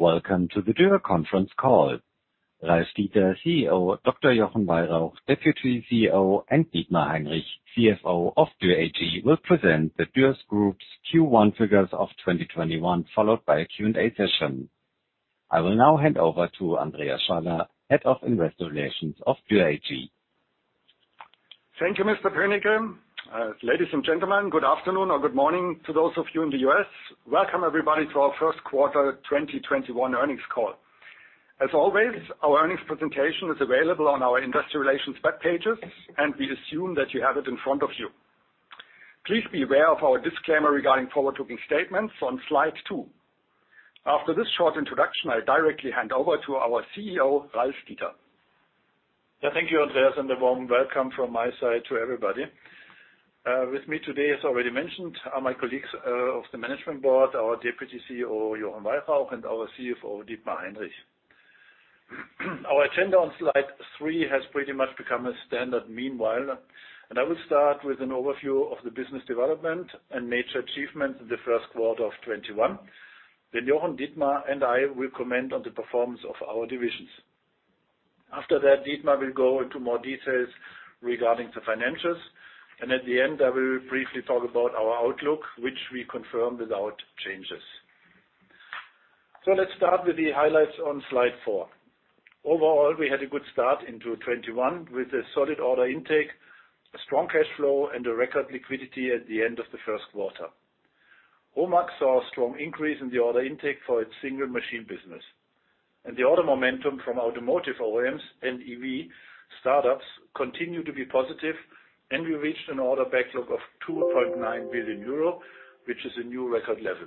Welcome to the Dürr Conference call. Ralf Dieter, CEO, Dr. Jochen Weyrauch, Deputy CEO, and Dietmar Heinrich, CFO of Dürr AG, will present the Dürr Group's Q1 figures of 2021, followed by a Q&A session. I will now hand over to Andreas Schaller, Head of Investor Relations of Dürr AG. Thank you, Mr. König. Ladies and gentlemen, good afternoon or good morning to those of you in the US. Welcome, everybody, to our first quarter 2021 earnings call. As always, our earnings presentation is available on our Investor Relations web pages, and we assume that you have it in front of you. Please be aware of our disclaimer regarding forward-looking statements on slide two. After this short introduction, I'll directly hand over to our CEO, Ralf Dieter. Thank you, Andreas, and a warm welcome from my side to everybody. With me today, as already mentioned, are my colleagues of the management board, our Deputy CEO, Jochen Weyrauch, and our CFO, Dietmar Heinrich. Our agenda on slide three has pretty much become a standard meanwhile, and I will start with an overview of the business development and major achievements in the first quarter of 2021. Then Jochen, Dietmar, and I will comment on the performance of our divisions. After that, Dietmar will go into more details regarding the financials, and at the end, I will briefly talk about our outlook, which we confirmed without changes. So let's start with the highlights on slide four. Overall, we had a good start into 2021 with a solid order intake, a strong cash flow, and a record liquidity at the end of the first quarter. HOMAG saw a strong increase in the order intake for its single machine business, and the order momentum from automotive OEMs and EV startups continued to be positive, and we reached an order backlog of 2.9 billion euro, which is a new record level.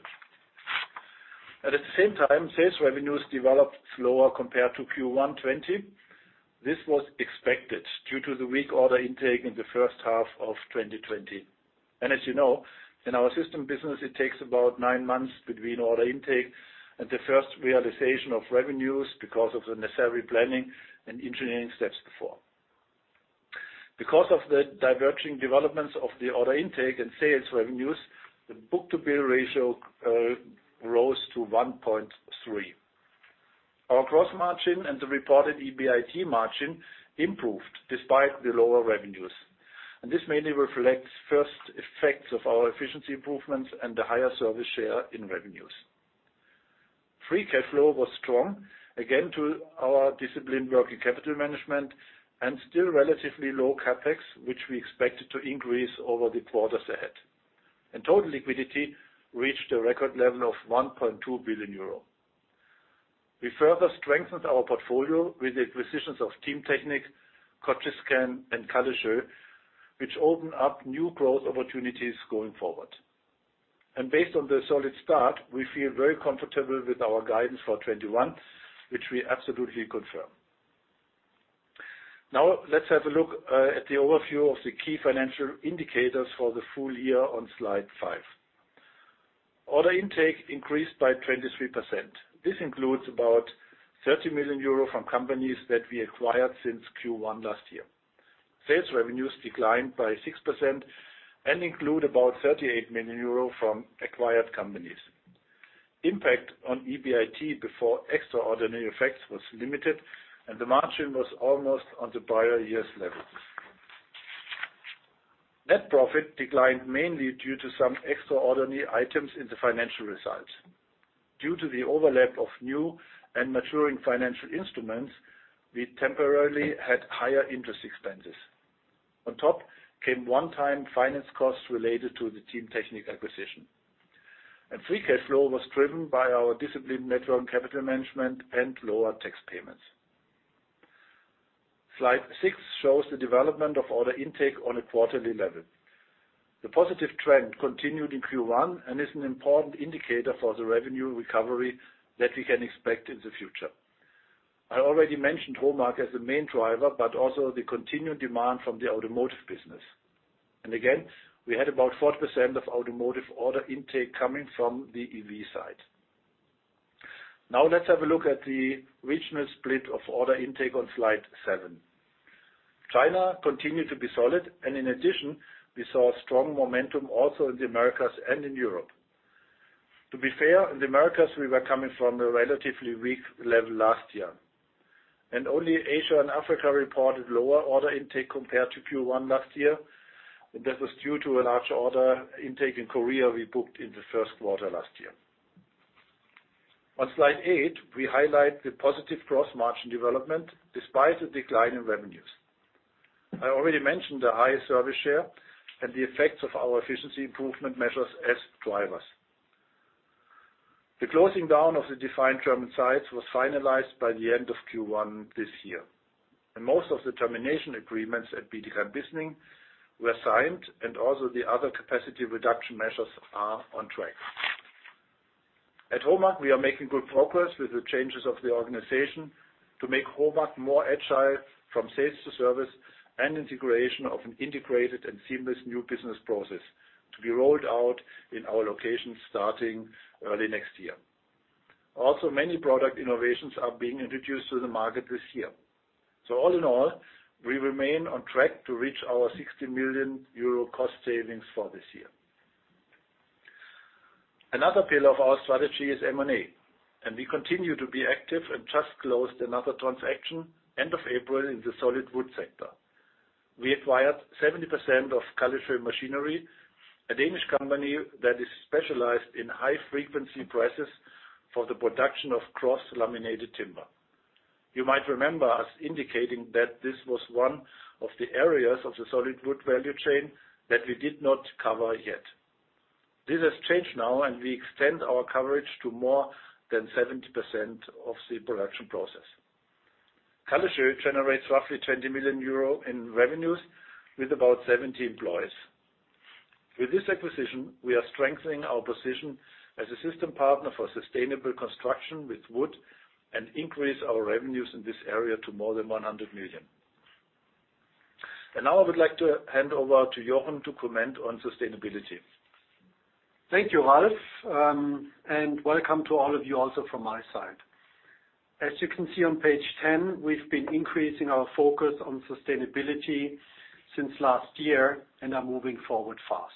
At the same time, sales revenues developed slower compared to Q1 2020. This was expected due to the weak order intake in the first half of 2020. As you know, in our system business, it takes about nine months between order intake and the first realization of revenues because of the necessary planning and engineering steps before. Because of the diverging developments of the order intake and sales revenues, the book-to-bill ratio rose to 1.3. Our gross margin and the reported EBIT margin improved despite the lower revenues, and this mainly reflects first effects of our efficiency improvements and the higher service share in revenues. Free cash flow was strong, again to our disciplined working capital management, and still relatively low CapEx, which we expected to increase over the quarters ahead, and total liquidity reached a record level of 1.2 billion euro. We further strengthened our portfolio with the acquisitions of Teamtechnik, Cogiscan, and Kallesoe, which opened up new growth opportunities going forward, and based on the solid start, we feel very comfortable with our guidance for 2021, which we absolutely confirm. Now, let's have a look at the overview of the key financial indicators for the full year on slide five. Order intake increased by 23%. This includes about 30 million euro from companies that we acquired since Q1 last year. Sales revenues declined by 6% and include about 38 million euro from acquired companies. Impact on EBIT before extraordinary effects was limited, and the margin was almost on the prior year's level. Net profit declined mainly due to some extraordinary items in the financial results. Due to the overlap of new and maturing financial instruments, we temporarily had higher interest expenses. On top came one-time finance costs related to the Teamtechnik acquisition, and free cash flow was driven by our disciplined net working capital management and lower tax payments. Slide six shows the development of order intake on a quarterly level. The positive trend continued in Q1 and is an important indicator for the revenue recovery that we can expect in the future. I already mentioned HOMAG as the main driver, but also the continued demand from the automotive business, and again, we had about 40% of automotive order intake coming from the EV side. Now, let's have a look at the regional split of order intake on slide seven. China continued to be solid, and in addition, we saw strong momentum also in the Americas and in Europe. To be fair, in the Americas, we were coming from a relatively weak level last year, and only Asia and Africa reported lower order intake compared to Q1 last year, and that was due to a large order intake in Korea we booked in the first quarter last year. On slide eight, we highlight the positive gross margin development despite the decline in revenues. I already mentioned the high service share and the effects of our efficiency improvement measures as drivers. The closing down of the defined German sites was finalized by the end of Q1 this year, and most of the termination agreements at Bietigheim-Bissingen were signed, and also the other capacity reduction measures are on track. At HOMAG, we are making good progress with the changes of the organization to make HOMAG more agile from sales to service and integration of an integrated and seamless new business process to be rolled out in our locations starting early next year. Also, many product innovations are being introduced to the market this year. So all in all, we remain on track to reach our 60 million euro cost savings for this year. Another pillar of our strategy is M&A, and we continue to be active and just closed another transaction end of April in the solid wood sector. We acquired 70% of Kallesoe Machinery, a Danish company that is specialized in high-frequency presses for the production of cross-laminated timber. You might remember us indicating that this was one of the areas of the solid wood value chain that we did not cover yet. This has changed now, and we extend our coverage to more than 70% of the production process. Kallesoe generates roughly 20 million euro in revenues with about 70 employees. With this acquisition, we are strengthening our position as a system partner for sustainable construction with wood and increase our revenues in this area to more than 100 million. And now I would like to hand over to Jochen to comment on sustainability. Thank you, Ralf, and welcome to all of you also from my side. As you can see on page 10, we've been increasing our focus on sustainability since last year and are moving forward fast.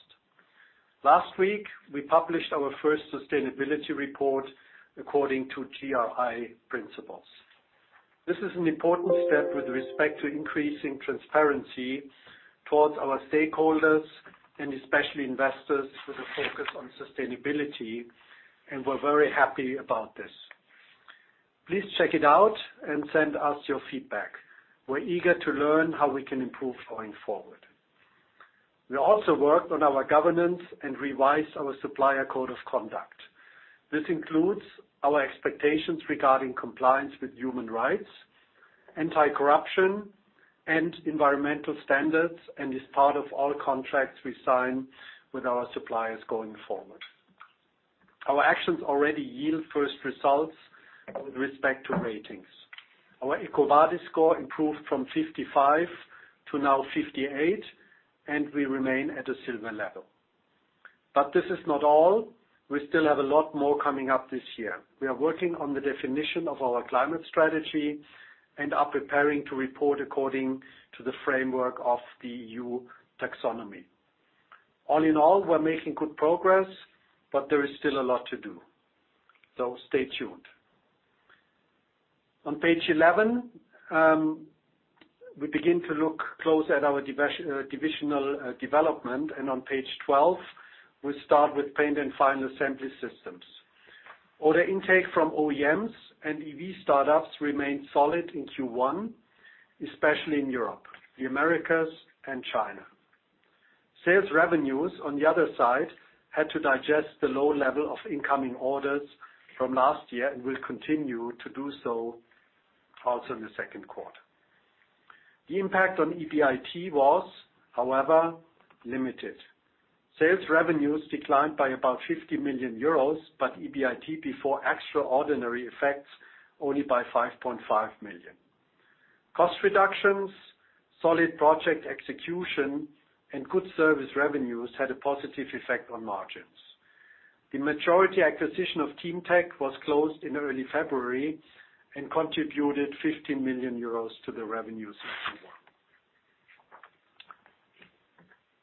Last week, we published our first sustainability report according to GRI principles. This is an important step with respect to increasing transparency towards our stakeholders and especially investors with a focus on sustainability, and we're very happy about this. Please check it out and send us your feedback. We're eager to learn how we can improve going forward. We also worked on our governance and revised our supplier code of conduct. This includes our expectations regarding compliance with human rights, anti-corruption, and environmental standards, and is part of all contracts we sign with our suppliers going forward. Our actions already yield first results with respect to ratings. Our EcoVadis score improved from 55 to now 58, and we remain at a silver level. But this is not all. We still have a lot more coming up this year. We are working on the definition of our climate strategy and are preparing to report according to the framework of the EU Taxonomy. All in all, we're making good progress, but there is still a lot to do. So stay tuned. On page 11, we begin to look closer at our divisional development, and on page 12, we start with paint and final assembly systems. Order intake from OEMs and EV startups remained solid in Q1, especially in Europe, the Americas, and China. Sales revenues, on the other side, had to digest the low level of incoming orders from last year and will continue to do so also in the second quarter. The impact on EBIT was, however, limited. Sales revenues declined by about 50 million euros, but EBIT before extraordinary effects only by 5.5 million. Cost reductions, solid project execution, and good service revenues had a positive effect on margins. The majority acquisition of Teamtechnik was closed in early February and contributed 15 million euros to the revenues in Q1.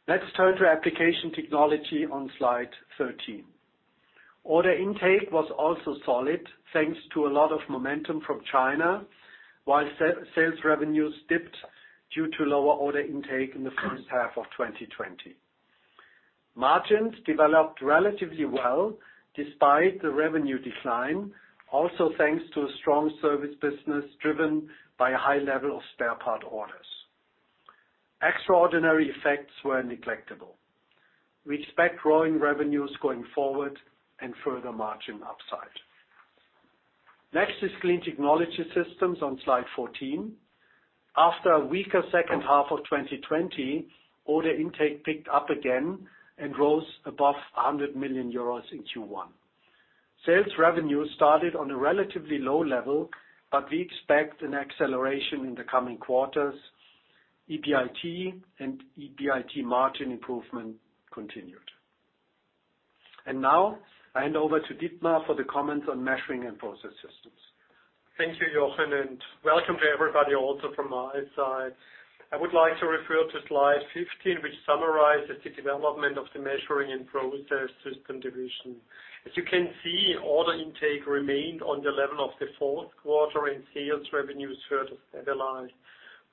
Let's turn to Application Technology on slide 13. Order intake was also solid thanks to a lot of momentum from China, while sales revenues dipped due to lower order intake in the first half of 2020. Margins developed relatively well despite the revenue decline, also thanks to a strong service business driven by a high level of spare part orders. Extraordinary effects were negligible. We expect growing revenues going forward and further margin upside. Next is Clean Technology Systems on slide 14. After a weaker second half of 2020, order intake picked up again and rose above 100 million euros in Q1. Sales revenues started on a relatively low level, but we expect an acceleration in the coming quarters. EBIT and EBIT margin improvement continued, and now I hand over to Dietmar for the comments on measuring and process systems. Thank you, Jochen, and welcome to everybody also from my side. I would like to refer to slide 15, which summarizes the development of the Measuring and Process Systems division. As you can see, order intake remained on the level of the fourth quarter, and sales revenues further stabilized.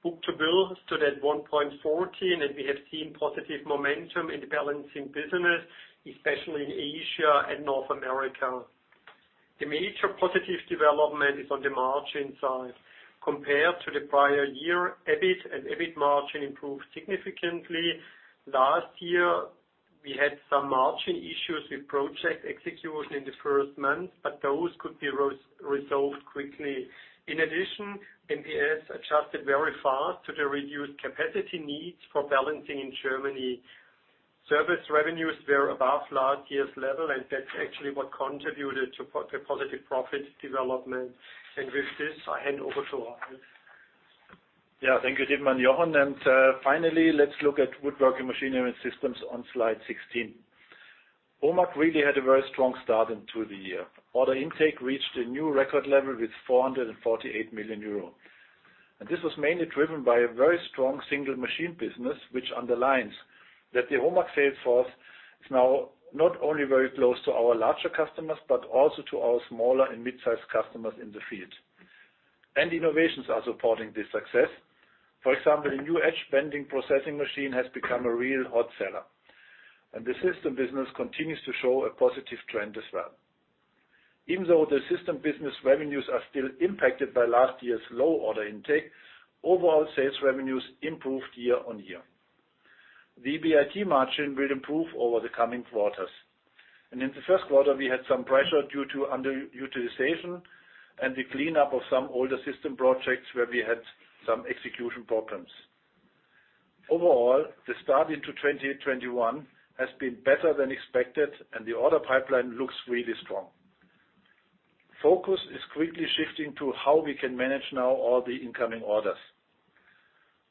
Book-to-bill stood at 1.14, and we have seen positive momentum in the balancing business, especially in Asia and North America. The major positive development is on the margin side. Compared to the prior year, EBIT and EBIT margin improved significantly. Last year, we had some margin issues with project execution in the first month, but those could be resolved quickly. In addition, MPS adjusted very fast to the reduced capacity needs for balancing in Germany. Service revenues were above last year's level, and that's actually what contributed to the positive profit development, and with this, I hand over to Ralf. Yeah, thank you, Dietmar and Jochen. And finally, let's look at woodworking machinery systems on slide 16. HOMAG really had a very strong start into the year. Order intake reached a new record level with €448 million. And this was mainly driven by a very strong single machine business, which underlines that the HOMAG sales force is now not only very close to our larger customers, but also to our smaller and mid-sized customers in the field. And innovations are supporting this success. For example, a new edgebanding processing machine has become a real hot seller. And the system business continues to show a positive trend as well. Even though the system business revenues are still impacted by last year's low order intake, overall sales revenues improved year-on-year. The EBIT margin will improve over the coming quarters. And in the first quarter we had some pressure due to underutilization and the cleanup of some older system projects where we had some execution problems. Overall, the start into 2021 has been better than expected, and the order pipeline looks really strong. Focus is quickly shifting to how we can manage now all the incoming orders.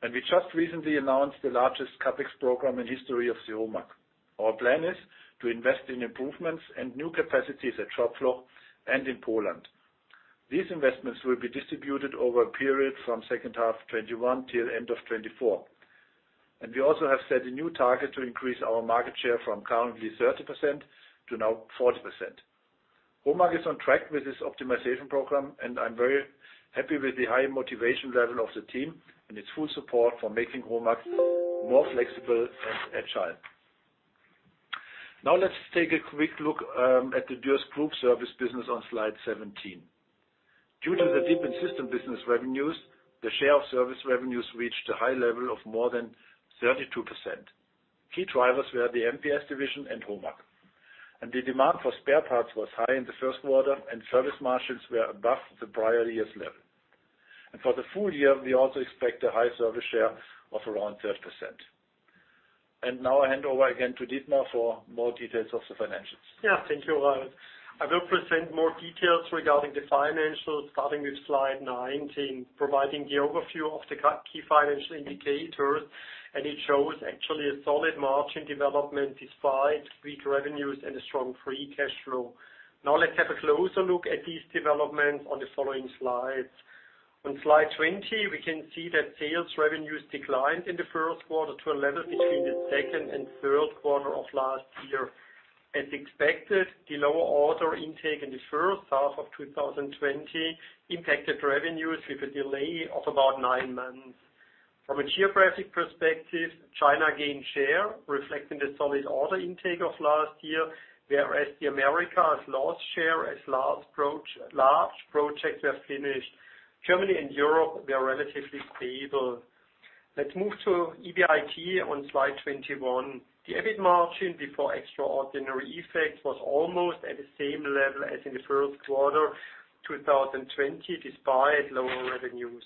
And we just recently announced the largest CapEx program in history of the HOMAG. Our plan is to invest in improvements and new capacities at Schopfloch and in Poland. These investments will be distributed over a period from second half 2021 till end of 2024. And we also have set a new target to increase our market share from currently 30% to now 40%. HOMAG is on track with this optimization program, and I'm very happy with the high motivation level of the team and its full support for making HOMAG more flexible and agile. Now, let's take a quick look at the Dürr Group service business on slide 17. Due to the deepened system business revenues, the share of service revenues reached a high level of more than 32%. Key drivers were the MPS division and HOMAG, and the demand for spare parts was high in the first quarter, and service margins were above the prior year's level, and for the full year, we also expect a high service share of around 30%, and now I hand over again to Dietmar for more details of the financials. Yeah, thank you, Ralf. I will present more details regarding the financials starting with slide 19, providing a clear overview of the key financial indicators, and it shows actually a solid margin development despite weak revenues and a strong free cash flow. Now, let's have a closer look at these developments on the following slides. On slide 20, we can see that sales revenues declined in the first quarter to a level between the second and third quarter of last year. As expected, the lower order intake in the first half of 2020 impacted revenues with a delay of about nine months. From a geographic perspective, China gained share, reflecting the solid order intake of last year, whereas the Americas has lost share as large projects were finished. Germany and Europe were relatively stable. Let's move to EBIT on slide 21. The EBIT margin before extraordinary effects was almost at the same level as in the first quarter 2020 despite lower revenues.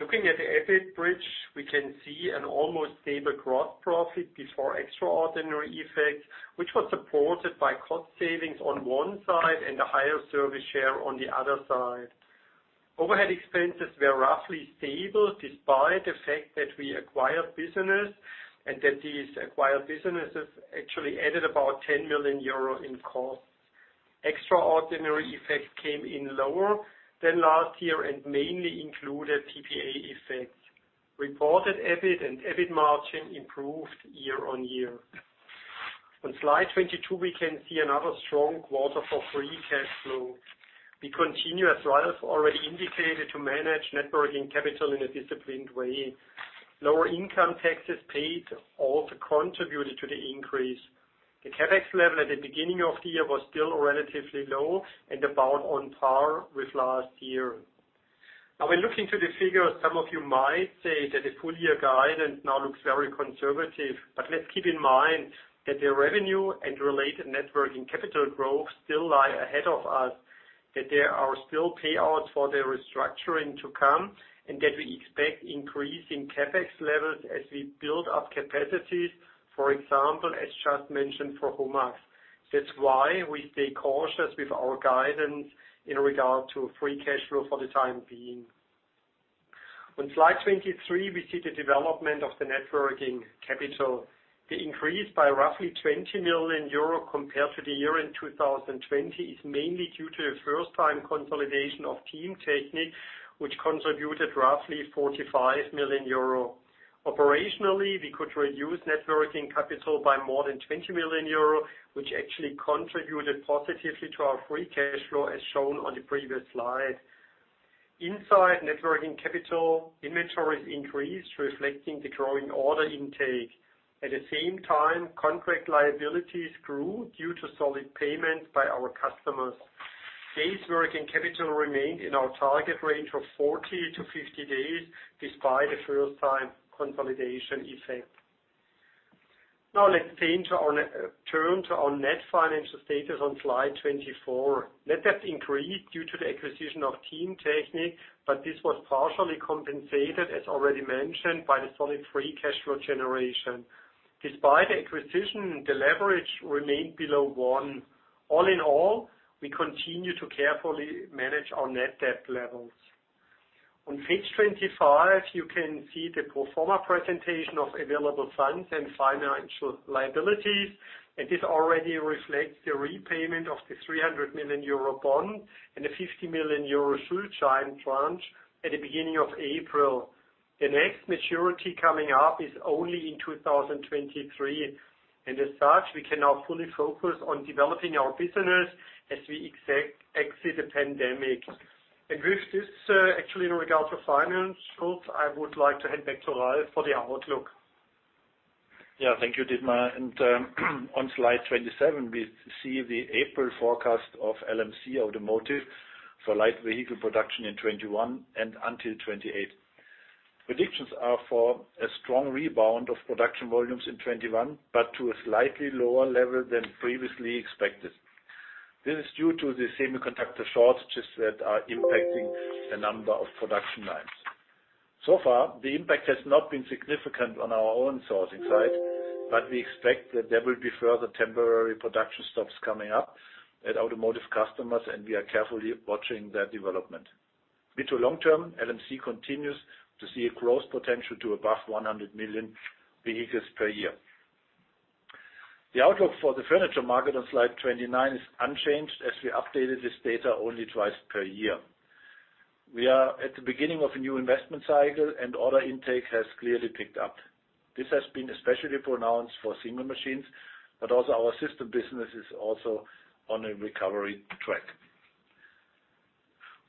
Looking at the EBIT bridge, we can see an almost stable gross profit before extraordinary effects, which was supported by cost savings on one side and a higher service share on the other side. Overhead expenses were roughly stable despite the fact that we acquired business and that these acquired businesses actually added about 10 million euro in costs. Extraordinary effects came in lower than last year and mainly included PPA effects. Reported EBIT and EBIT margin improved year on year. On slide 22, we can see another strong quarter for free cash flow. We continue, as Ralf already indicated, to manage net working capital in a disciplined way. Lower income taxes paid also contributed to the increase. The CapEx level at the beginning of the year was still relatively low and about on par with last year. Now, when looking to the figures, some of you might say that the full-year guidance now looks very conservative, but let's keep in mind that the revenue and related net working capital growth still lie ahead of us, that there are still payouts for the restructuring to come, and that we expect increasing CapEx levels as we build up capacities, for example, as just mentioned for HOMAG. That's why we stay cautious with our guidance in regard to free cash flow for the time being. On slide 23, we see the development of the net working capital. The increase by roughly 20 million euro compared to the year in 2020 is mainly due to the first-time consolidation of Teamtechnik, which contributed roughly 45 million euro. Operationally, we could reduce net working capital by more than 20 million euro, which actually contributed positively to our free cash flow as shown on the previous slide. Inside net working capital, inventories increased, reflecting the growing order intake. At the same time, contract liabilities grew due to solid payments by our customers. Days working capital remained in our target range of 40-50 days despite the first-time consolidation effect. Now, let's turn to our net financial status on slide 24. Net debt increased due to the acquisition of Teamtechnik, but this was partially compensated, as already mentioned, by the solid free cash flow generation. Despite the acquisition, the leverage remained below one. All in all, we continue to carefully manage our net debt levels. On page 25, you can see the pro forma presentation of available funds and financial liabilities, and this already reflects the repayment of the 300 million euro bond and a 50 million euro Schuldschein tranche at the beginning of April. The next maturity coming up is only in 2023. And as such, we can now fully focus on developing our business as we exit the pandemic. And with this, actually, in regard to financials, I would like to hand back to Ralf for the outlook. Yeah, thank you, Dietmar. And on slide 27, we see the April forecast of LMC Automotive for light vehicle production in 2021 and until 2028. Predictions are for a strong rebound of production volumes in 2021, but to a slightly lower level than previously expected. This is due to the semiconductor shortages that are impacting the number of production lines. So far, the impact has not been significant on our own sourcing side, but we expect that there will be further temporary production stops coming up at automotive customers, and we are carefully watching that development. Mid to long term, LMC continues to see a growth potential to above 100 million vehicles per year. The outlook for the furniture market on slide 29 is unchanged as we updated this data only twice per year. We are at the beginning of a new investment cycle, and order intake has clearly picked up. This has been especially pronounced for single machines, but also our system business is on a recovery track.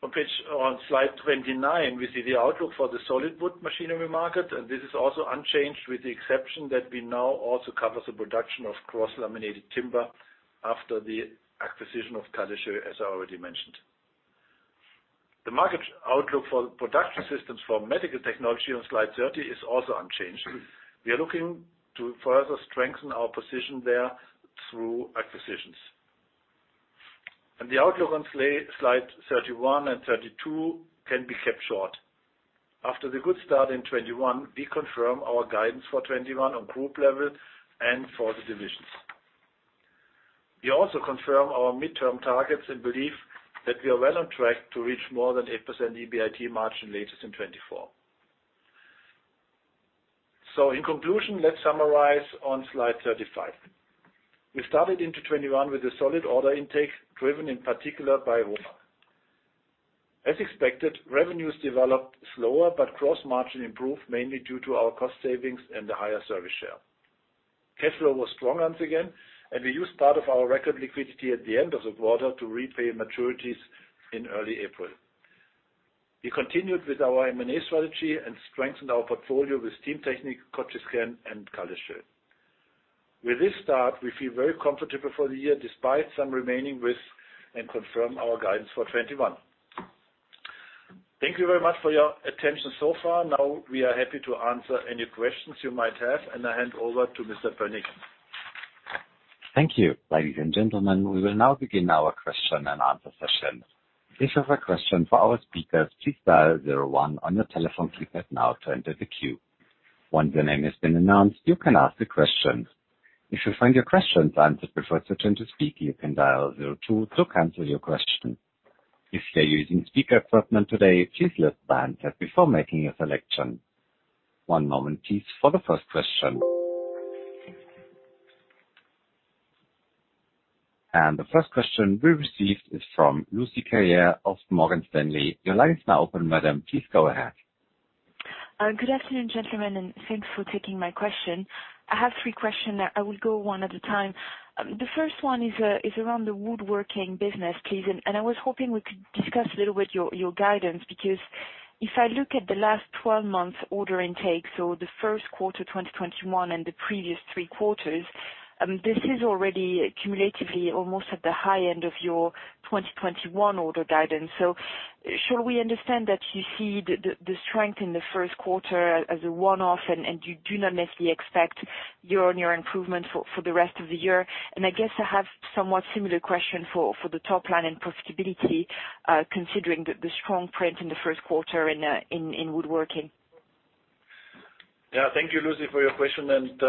On slide 29, we see the outlook for the solid wood machinery market, and this is also unchanged with the exception that we now also cover the production of cross-laminated timber after the acquisition of Kallesoe, as I already mentioned. The market outlook for production systems for medical technology on slide 30 is also unchanged. We are looking to further strengthen our position there through acquisitions. And the outlook on slide 31 and 32 can be kept short. After the good start in 2021, we confirm our guidance for 2021 on group level and for the divisions. We also confirm our midterm targets and believe that we are well on track to reach more than 8% EBIT margin latest in 2024. So in conclusion, let's summarize on slide 35. We started into 2021 with a solid order intake driven in particular by HOMAG. As expected, revenues developed slower, but gross margin improved mainly due to our cost savings and the higher service share. Cash flow was strong once again, and we used part of our record liquidity at the end of the quarter to repay maturities in early April. We continued with our M&A strategy and strengthened our portfolio with Teamtechnik, Cogiscan, and Kallesoe. With this start, we feel very comfortable for the year despite some remaining risks and confirm our guidance for 2021. Thank you very much for your attention so far. Now, we are happy to answer any questions you might have, and I hand over to Mr. Könige. Thank you, ladies and gentlemen. We will now begin our question and answer session. If you have a question for our speakers, please dial zero one on your telephone keypad now to enter the queue. Once your name has been announced, you can ask the question. If you find your question's answer preferred to turn to speaker, you can dial zero two to cancel your question. If you're using speaker equipment today, please lift the handset before making your selection. One moment, please, for the first question. The first question we received is from Lucie Carrier of Morgan Stanley. Your line is now open, madam. Please go ahead. Good afternoon, gentlemen, and thanks for taking my question. I have three questions. I will go one at a time. The first one is around the woodworking business, please. And I was hoping we could discuss a little bit your guidance because if I look at the last 12 months' order intake, so the first quarter 2021 and the previous three quarters, this is already cumulatively almost at the high end of your 2021 order guidance. So shall we understand that you see the strength in the first quarter as a one-off and you do not necessarily expect year-on-year improvement for the rest of the year? And I guess I have somewhat similar question for the top line and profitability, considering the strong print in the first quarter in woodworking. Yeah, thank you, Lucie, for your question. And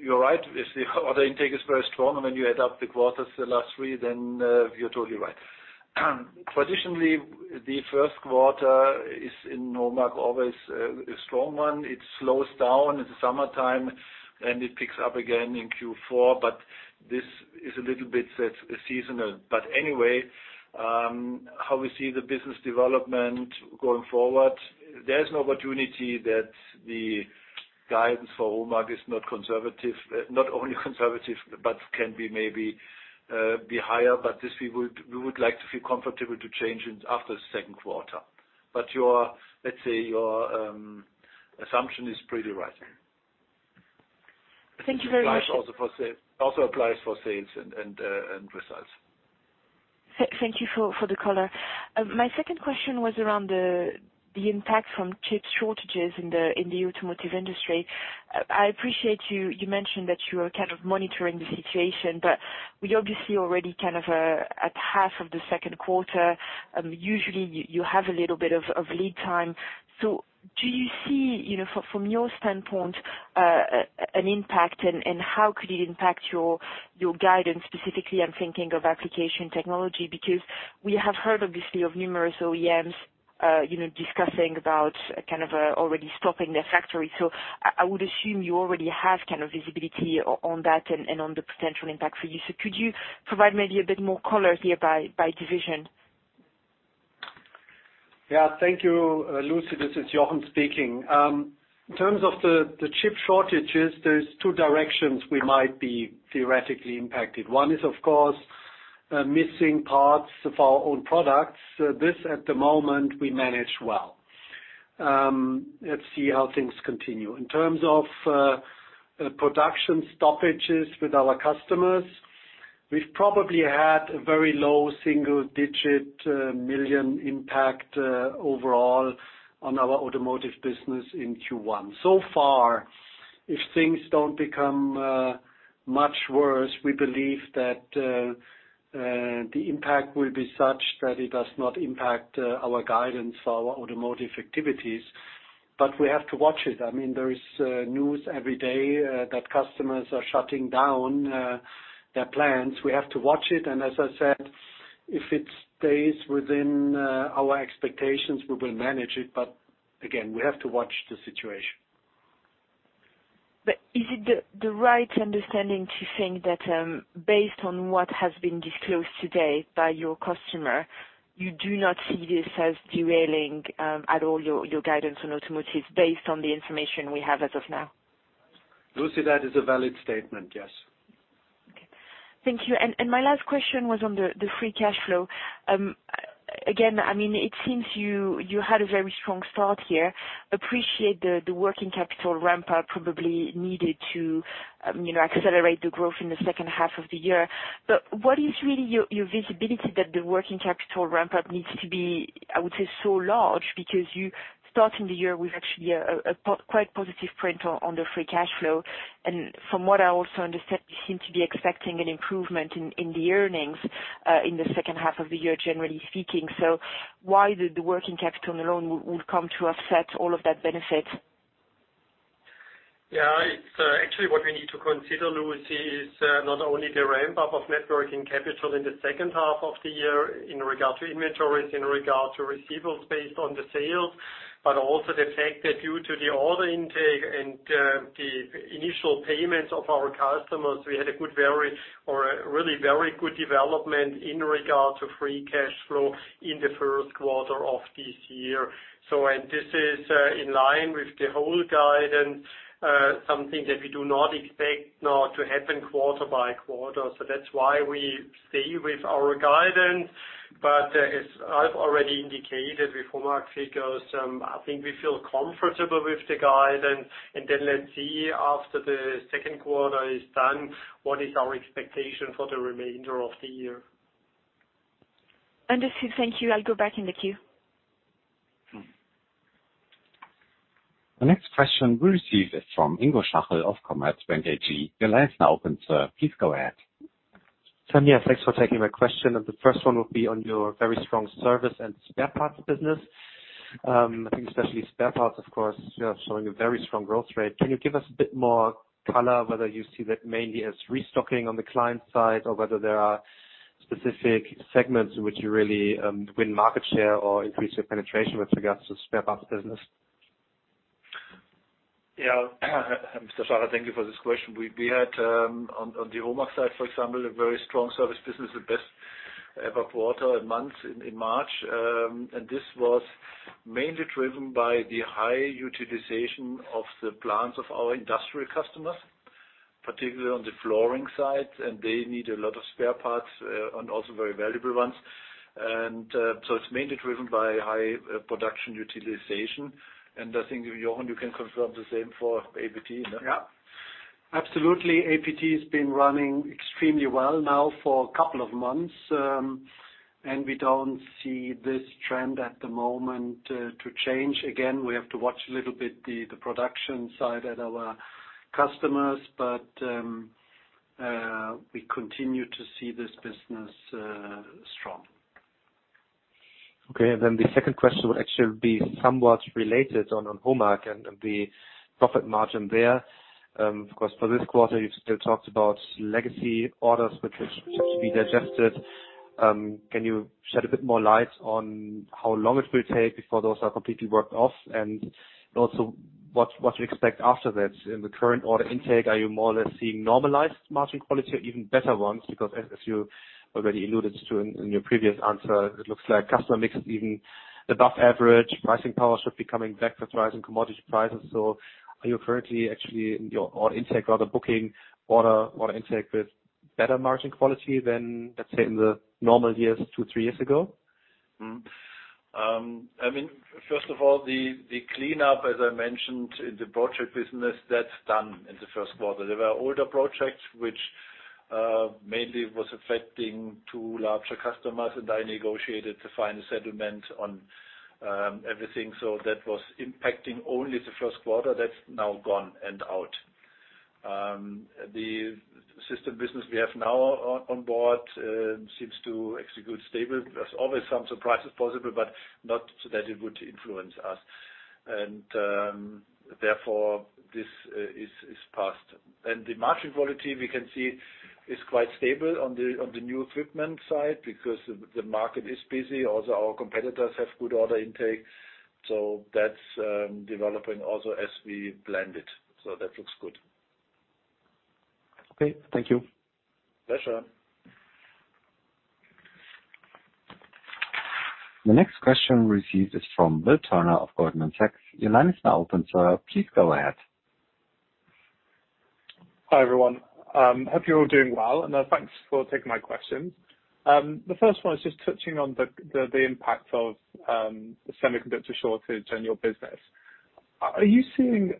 you're right. If the order intake is very strong and when you head up the quarters, the last three, then you're totally right. Traditionally, the first quarter is in HOMAG always a strong one. It slows down in the summertime, and it picks up again in Q4, but this is a little bit seasonal. But anyway, how we see the business development going forward, there's an opportunity that the guidance for HOMAG is not conservative, not only conservative, but can be maybe be higher, but we would like to feel comfortable to change after the second quarter. But let's say your assumption is pretty right. Thank you very much. It also applies for sales and results. Thank you for the color. My second question was around the impact from chip shortages in the automotive industry. I appreciate you mentioned that you are kind of monitoring the situation, but we obviously are already kind of at half of the second quarter. Usually, you have a little bit of lead time. So do you see, from your standpoint, an impact, and how could it impact your guidance? Specifically, I'm thinking of application technology because we have heard, obviously, of numerous OEMs discussing about kind of already stopping their factories. So I would assume you already have kind of visibility on that and on the potential impact for you. So could you provide maybe a bit more color here by division? Yeah, thank you, Lucie. This is Jochen speaking. In terms of the chip shortages, there's two directions we might be theoretically impacted. One is, of course, missing parts of our own products. This, at the moment, we manage well. Let's see how things continue. In terms of production stoppages with our customers, we've probably had a very low single-digit million impact overall on our automotive business in Q1. So far, if things don't become much worse, we believe that the impact will be such that it does not impact our guidance for our automotive activities. But we have to watch it. I mean, there is news every day that customers are shutting down their plants. We have to watch it. And as I said, if it stays within our expectations, we will manage it. But again, we have to watch the situation. But is it the right understanding to think that based on what has been disclosed today by your customer, you do not see this as derailing at all your guidance on automotive based on the information we have as of now? Lucie, that is a valid statement, yes. Okay. Thank you. And my last question was on the free cash flow. Again, I mean, it seems you had a very strong start here. Appreciate the working capital ramp-up probably needed to accelerate the growth in the second half of the year. But what is really your visibility that the working capital ramp-up needs to be, I would say, so large because you start in the year with actually a quite positive print on the free cash flow? And from what I also understand, you seem to be expecting an improvement in the earnings in the second half of the year, generally speaking. So why did the working capital alone come to offset all of that benefit? Yeah, so actually what we need to consider, Lucie, is not only the ramp-up of net working capital in the second half of the year in regard to inventories, in regard to receivables based on the sales, but also the fact that due to the order intake and the initial payments of our customers, we had a good, really very good development in regard to free cash flow in the first quarter of this year. So this is in line with the whole guidance, something that we do not expect now to happen quarter by quarter. So that's why we stay with our guidance. But as I've already indicated with HOMAG figures, I think we feel comfortable with the guidance. And then let's see after the second quarter is done, what is our expectation for the remainder of the year? Understood. Thank you. I'll go back in the queue. The next question we received is from Ingo Schachel, of Commerzbank AG. Your line is now open, sir. Please go ahead. So, yeah, thanks for taking my question. And the first one would be on your very strong service and spare parts business. I think especially spare parts, of course, you're showing a very strong growth rate. Can you give us a bit more color whether you see that mainly as restocking on the client side or whether there are specific segments in which you really win market share or increase your penetration with regards to spare parts business? Yeah, Mr. Schachel, thank you for this question. We had, on the HOMAG side, for example, a very strong service business, the best ever quarter and month in March. And this was mainly driven by the high utilization of the plants of our industrial customers, particularly on the flooring side. And they need a lot of spare parts and also very valuable ones. And so it's mainly driven by high production utilization. And I think, Jochen, you can confirm the same for APT, no? Yeah. Absolutely. APT has been running extremely well now for a couple of months, and we don't see this trend at the moment to change. Again, we have to watch a little bit the production side at our customers, but we continue to see this business strong. Okay. And then the second question would actually be somewhat related on HOMAG and the profit margin there. Of course, for this quarter, you've still talked about legacy orders which have to be digested. Can you shed a bit more light on how long it will take before those are completely worked off? And also what to expect after that? In the current order intake, are you more or less seeing normalized margin quality or even better ones? Because as you already alluded to in your previous answer, it looks like customer mix is even above average. Pricing power should be coming back with rising commodity prices. So are you currently actually in your order intake rather booking order intake with better margin quality than, let's say, in the normal years two, three years ago? I mean, first of all, the cleanup, as I mentioned, in the project business, that's done in the first quarter. There were older projects which mainly was affecting two larger customers, and I negotiated to find a settlement on everything. So that was impacting only the first quarter. That's now gone and out. The system business we have now on board seems to execute stable. There's always some surprises possible, but not that it would influence us. And therefore, this is past. And the margin quality, we can see, is quite stable on the new equipment side because the market is busy. Also, our competitors have good order intake. So that's developing also as we planned it. So that looks good. Okay. Thank you. Pleasure. The next question we received is from Will Turner of Goldman Sachs. Your line is now open, sir. Please go ahead. Hi everyone. Hope you're all doing well, and thanks for taking my questions. The first one is just touching on the impact of the semiconductor shortage on your business. Obviously,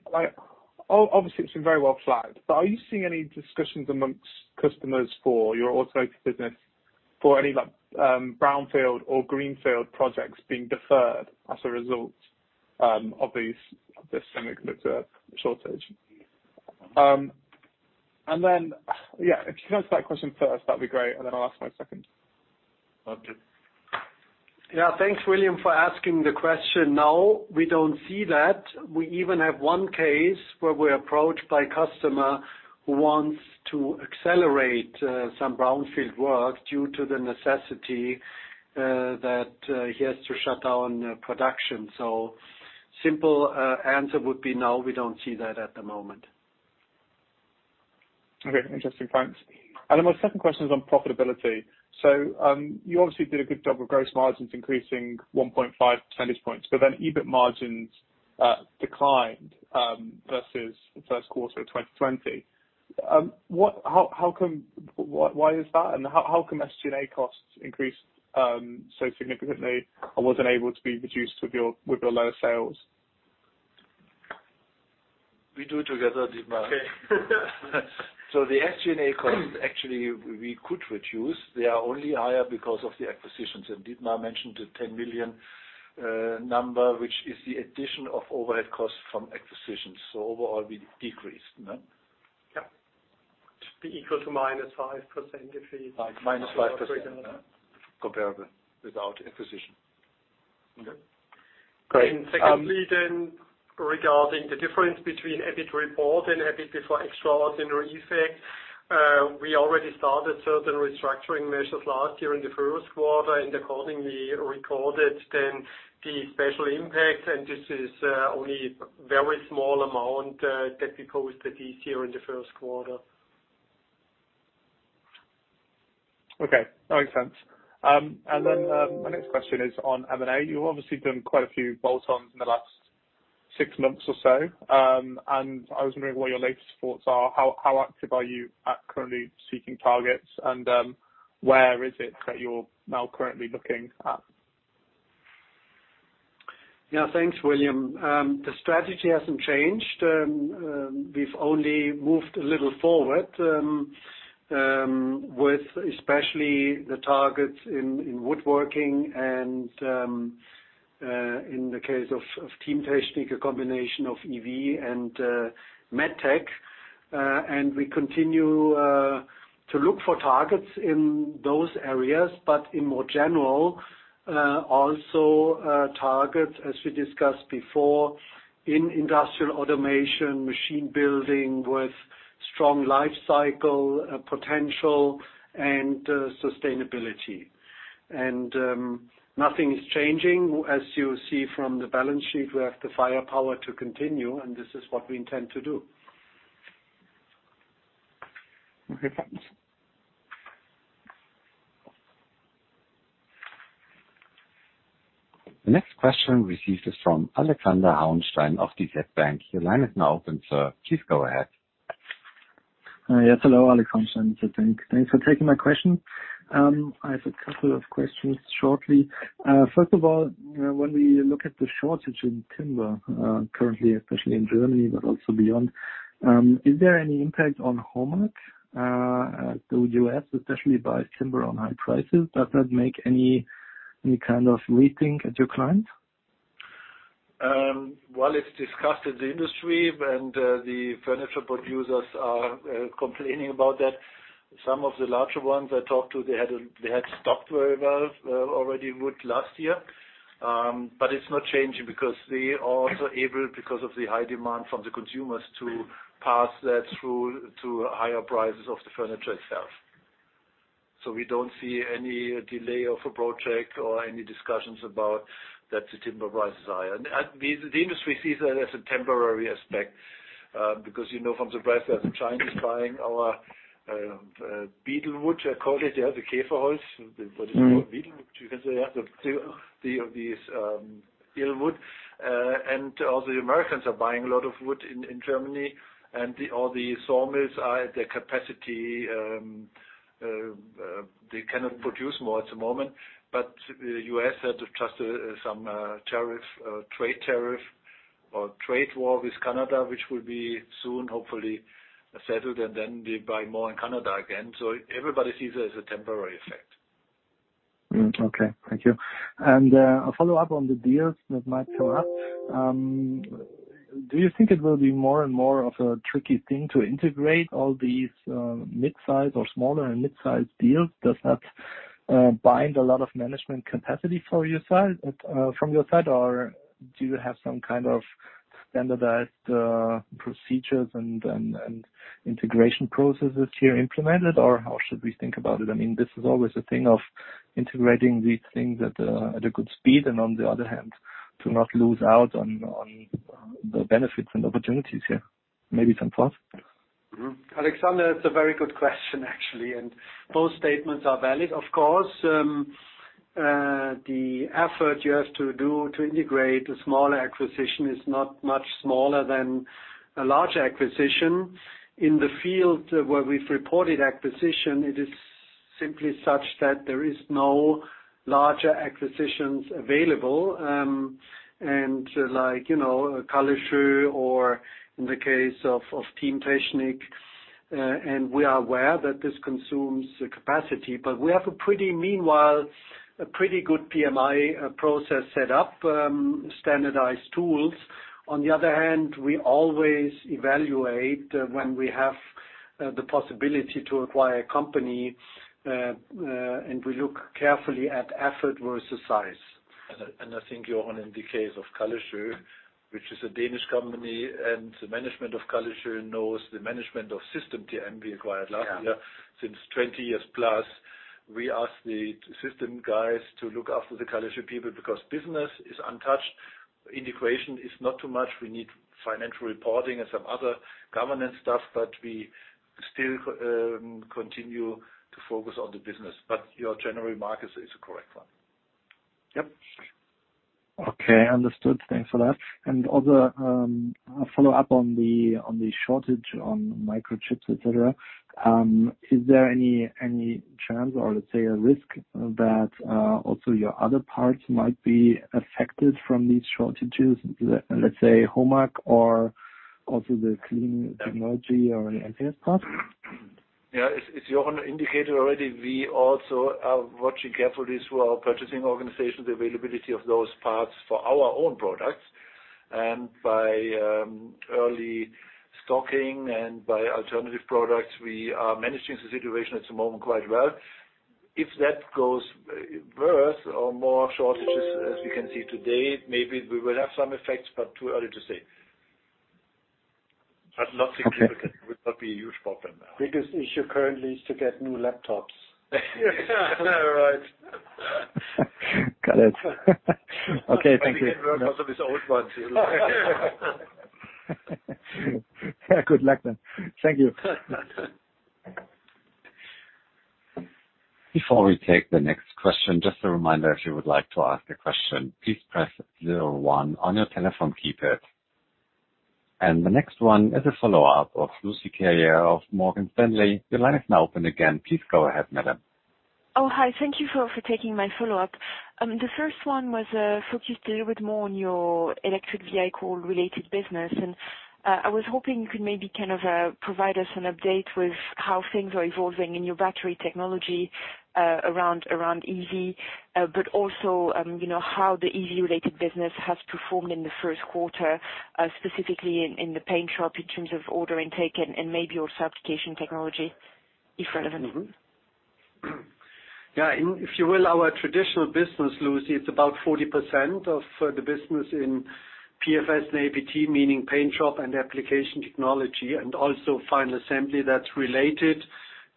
it's been very well flagged, but are you seeing any discussions amongst customers for your automotive business for any brownfield or greenfield projects being deferred as a result of this semiconductor shortage, and then yeah, if you can answer that question first, that would be great, and then I'll ask my second. Okay. Yeah, thanks, William, for asking the question. No, we don't see that. We even have one case where we're approached by a customer who wants to accelerate some brownfield work due to the necessity that he has to shut down production. So simple answer would be no, we don't see that at the moment. Okay. Interesting points. And then my second question is on profitability. So you obviously did a good job with gross margins increasing 1.5 percentage points, but then EBIT margins declined versus the first quarter of 2020. Why is that? And how come SG&A costs increased so significantly and wasn't able to be reduced with your lower sales? We do it together, Dietmar. So the SG&A costs, actually, we could reduce. They are only higher because of the acquisitions. And Dietmar mentioned the 10 million number, which is the addition of overhead costs from acquisitions. So overall, we decreased, no? Yeah. Equal to -5% if we look at it. Minus 5%.Comparable without acquisition. Okay. Great. Secondly, then, regarding the difference between EBIT reported and EBIT before extraordinary effect, we already started certain restructuring measures last year in the first quarter and accordingly recorded then the special impact. This is only a very small amount that we posted this year in the first quarter. Okay. That makes sense. And then my next question is on M&A. You've obviously done quite a few bolt-ons in the last six months or so. And I was wondering what your latest thoughts are. How active are you at currently seeking targets? And where is it that you're now currently looking at? Yeah, thanks, William. The strategy hasn't changed. We've only moved a little forward with especially the targets in woodworking and in the case of Teamtechnik, a combination of EV and Megtec. And we continue to look for targets in those areas, but in more general, also targets, as we discussed before, in industrial automation, machine building with strong life cycle potential and sustainability. And nothing is changing. As you see from the balance sheet, we have the firepower to continue, and this is what we intend to do. Okay. Thanks. The next question we received is from Alexander Hauenstein of DZ Bank. Your line is now open, sir. Please go ahead. Yes. Hello, Alex Hauenstein of DZ Bank. Thanks for taking my question. I have a couple of questions shortly. First of all, when we look at the shortage in timber currently, especially in Germany, but also beyond, is there any impact on HOMAG, the US, especially by timber on high prices? Does that make any kind of rethink at your clients? It's discussed in the industry, and the furniture producers are complaining about that. Some of the larger ones I talked to, they had stocked very well already wood last year. But it's not changing because they are also able, because of the high demand from the consumers, to pass that through to higher prices of the furniture itself. So we don't see any delay of a project or any discussions about that the timber price is higher. And the industry sees that as a temporary aspect because you know from the price that the Chinese are buying our beetlewood, I call it, the Käferholz, what is called beetlewood, you can say, yeah, the ill wood. And also the Americans are buying a lot of wood in Germany, and all the sawmills are at their capacity. They cannot produce more at the moment. But the U.S. had just some trade tariff or trade war with Canada, which will be soon, hopefully, settled, and then they buy more in Canada again. So everybody sees it as a temporary effect. Okay. Thank you. And a follow-up on the deals that might come up. Do you think it will be more and more of a tricky thing to integrate all these mid-size or smaller and mid-size deals? Does that bind a lot of management capacity from your side, or do you have some kind of standardized procedures and integration processes here implemented, or how should we think about it? I mean, this is always a thing of integrating these things at a good speed and, on the other hand, to not lose out on the benefits and opportunities here. Maybe some thoughts? Alexander, it's a very good question, actually. And both statements are valid, of course. The effort you have to do to integrate a smaller acquisition is not much smaller than a larger acquisition. In the field where we've reported acquisition, it is simply such that there are no larger acquisitions available. And like Kallesoe or in the case of Teamtechnik, and we are aware that this consumes capacity. But we have a pretty, meanwhile, a pretty good PMI process set up, standardized tools. On the other hand, we always evaluate when we have the possibility to acquire a company, and we look carefully at effort versus size. And I think Jochen, in the case of Kallesoe, which is a Danish company, and the management of Kallesoe knows the management of System TM we acquired last year. Since 20 years plus, we asked the system guys to look after the Kallesoe people because business is untouched. Integration is not too much. We need financial reporting and some other governance stuff, but we still continue to focus on the business. But your general market is the correct one. Yep.Okay. Understood. Thanks for that. And also a follow-up on the shortage on microchips, etc. Is there any chance or, let's say, a risk that also your other parts might be affected from these shortages, let's say, HOMAG or also the clean technology or the MTS parts? Yeah. As Jochen indicated already, we also are watching carefully through our purchasing organization the availability of those parts for our own products. And by early stocking and by alternative products, we are managing the situation at the moment quite well. If that goes worse or more shortages, as we can see today, maybe we will have some effects, but too early to say. But not significant. It will not be a huge problem now. Biggest issue currently is to get new laptops. Yeah. Right. Got it. Okay. Thank you. I'm working on some of these old ones. Good luck then. Thank you. Before we take the next question, just a reminder, if you would like to ask a question, please press 01 on your telephone keypad, and the next one is a follow-up of Lucie Carrier of Morgan Stanley. Your line is now open again. Please go ahead, madam. Oh, hi. Thank you for taking my follow-up. The first one was focused a little bit more on your electric vehicle-related business. And I was hoping you could maybe kind of provide us an update with how things are evolving in your battery technology around EV, but also how the EV-related business has performed in the first quarter, specifically in the paint shop in terms of order intake and maybe also application technology, if relevant? Yeah. If you will, our traditional business, Lucie, it's about 40% of the business in PFS and APT, meaning paint shop and application technology, and also final assembly that's related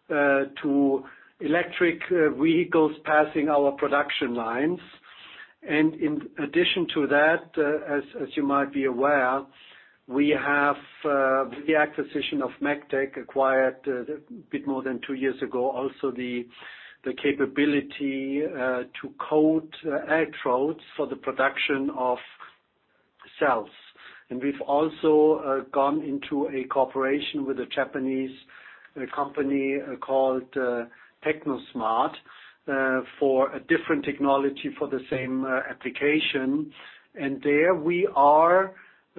to electric vehicles passing our production lines, and in addition to that, as you might be aware, we have the acquisition of Megtec, acquired a bit more than two years ago, also the capability to coat electrodes for the production of cells, and we've also gone into a cooperation with a Japanese company called Techno Smart for a different technology for the same application, and there we are,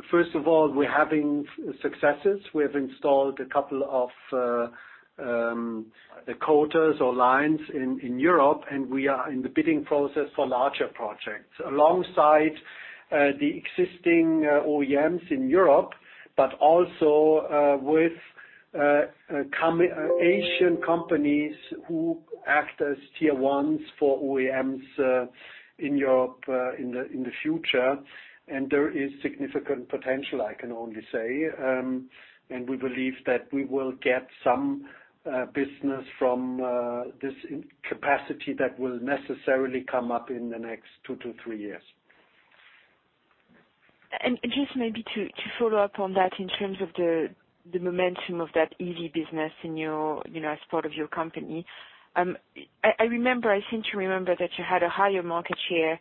first of all, we're having successes. We have installed a couple of coaters or lines in Europe, and we are in the bidding process for larger projects alongside the existing OEMs in Europe, but also with Asian companies who act as tier ones for OEMs in Europe in the future. There is significant potential, I can only say. We believe that we will get some business from this capacity that will necessarily come up in the next two to three years. Just maybe to follow up on that in terms of the momentum of that EV business as part of your company, I seem to remember that you had a higher market share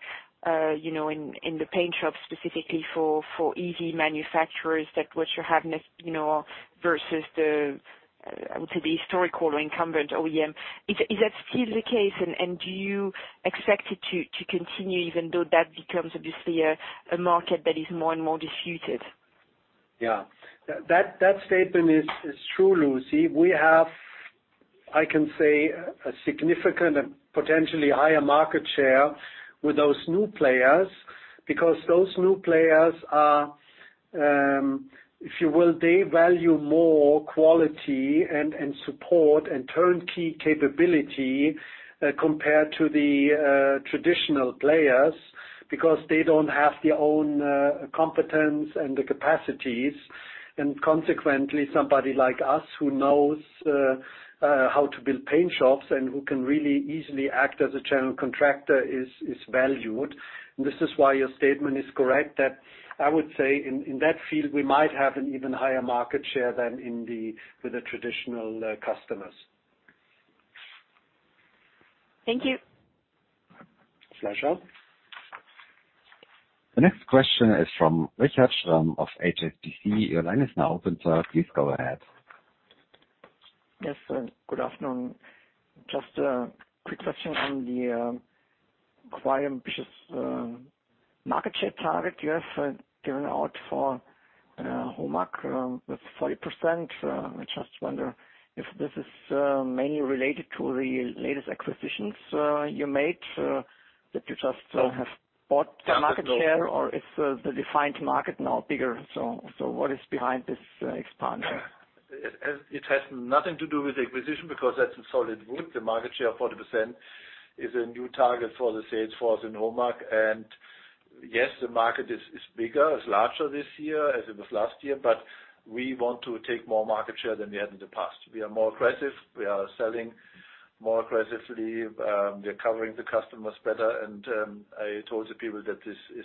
in the paint shop, specifically for EV manufacturers, than what you have versus the, I would say, the historical or incumbent OEM. Is that still the case? And do you expect it to continue even though that becomes, obviously, a market that is more and more disputed? Yeah. That statement is true, Lucie. We have, I can say, a significant and potentially higher market share with those new players because those new players are, if you will, they value more quality and support and turnkey capability compared to the traditional players because they don't have their own competence and the capacities. And consequently, somebody like us who knows how to build paint shops and who can really easily act as a general contractor is valued. And this is why your statement is correct, that I would say in that field, we might have an even higher market share than with the traditional customers. Thank you. Pleasure. The next question is from Richard Schramm of HSBC. Your line is now open, sir. Please go ahead. Yes. Good afternoon. Just a quick question on the acquired ambitious market share target you have given out for HOMAG with 40%. I just wonder if this is mainly related to the latest acquisitions you made, that you just have bought the market share, or is the defined market now bigger? So what is behind this expansion? It has nothing to do with the acquisition because that's solid wood. The market share of 40% is a new target for the salesforce in HOMAG. And yes, the market is bigger, is larger this year as it was last year, but we want to take more market share than we had in the past. We are more aggressive. We are selling more aggressively. We are covering the customers better. And I told the people that this is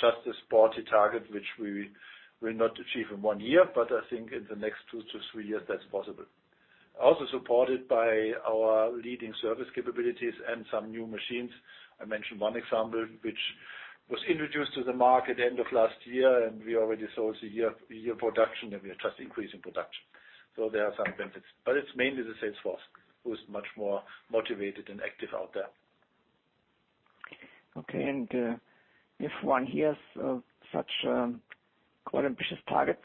just a sporty target, which we will not achieve in one year, but I think in the next two to three years, that's possible. Also supported by our leading service capabilities and some new machines. I mentioned one example, which was introduced to the market end of last year, and we already sold a year of production, and we are just increasing production. So there are some benefits. But it's mainly the salesforce who is much more motivated and active out there. Okay. And if one hears such quite ambitious targets,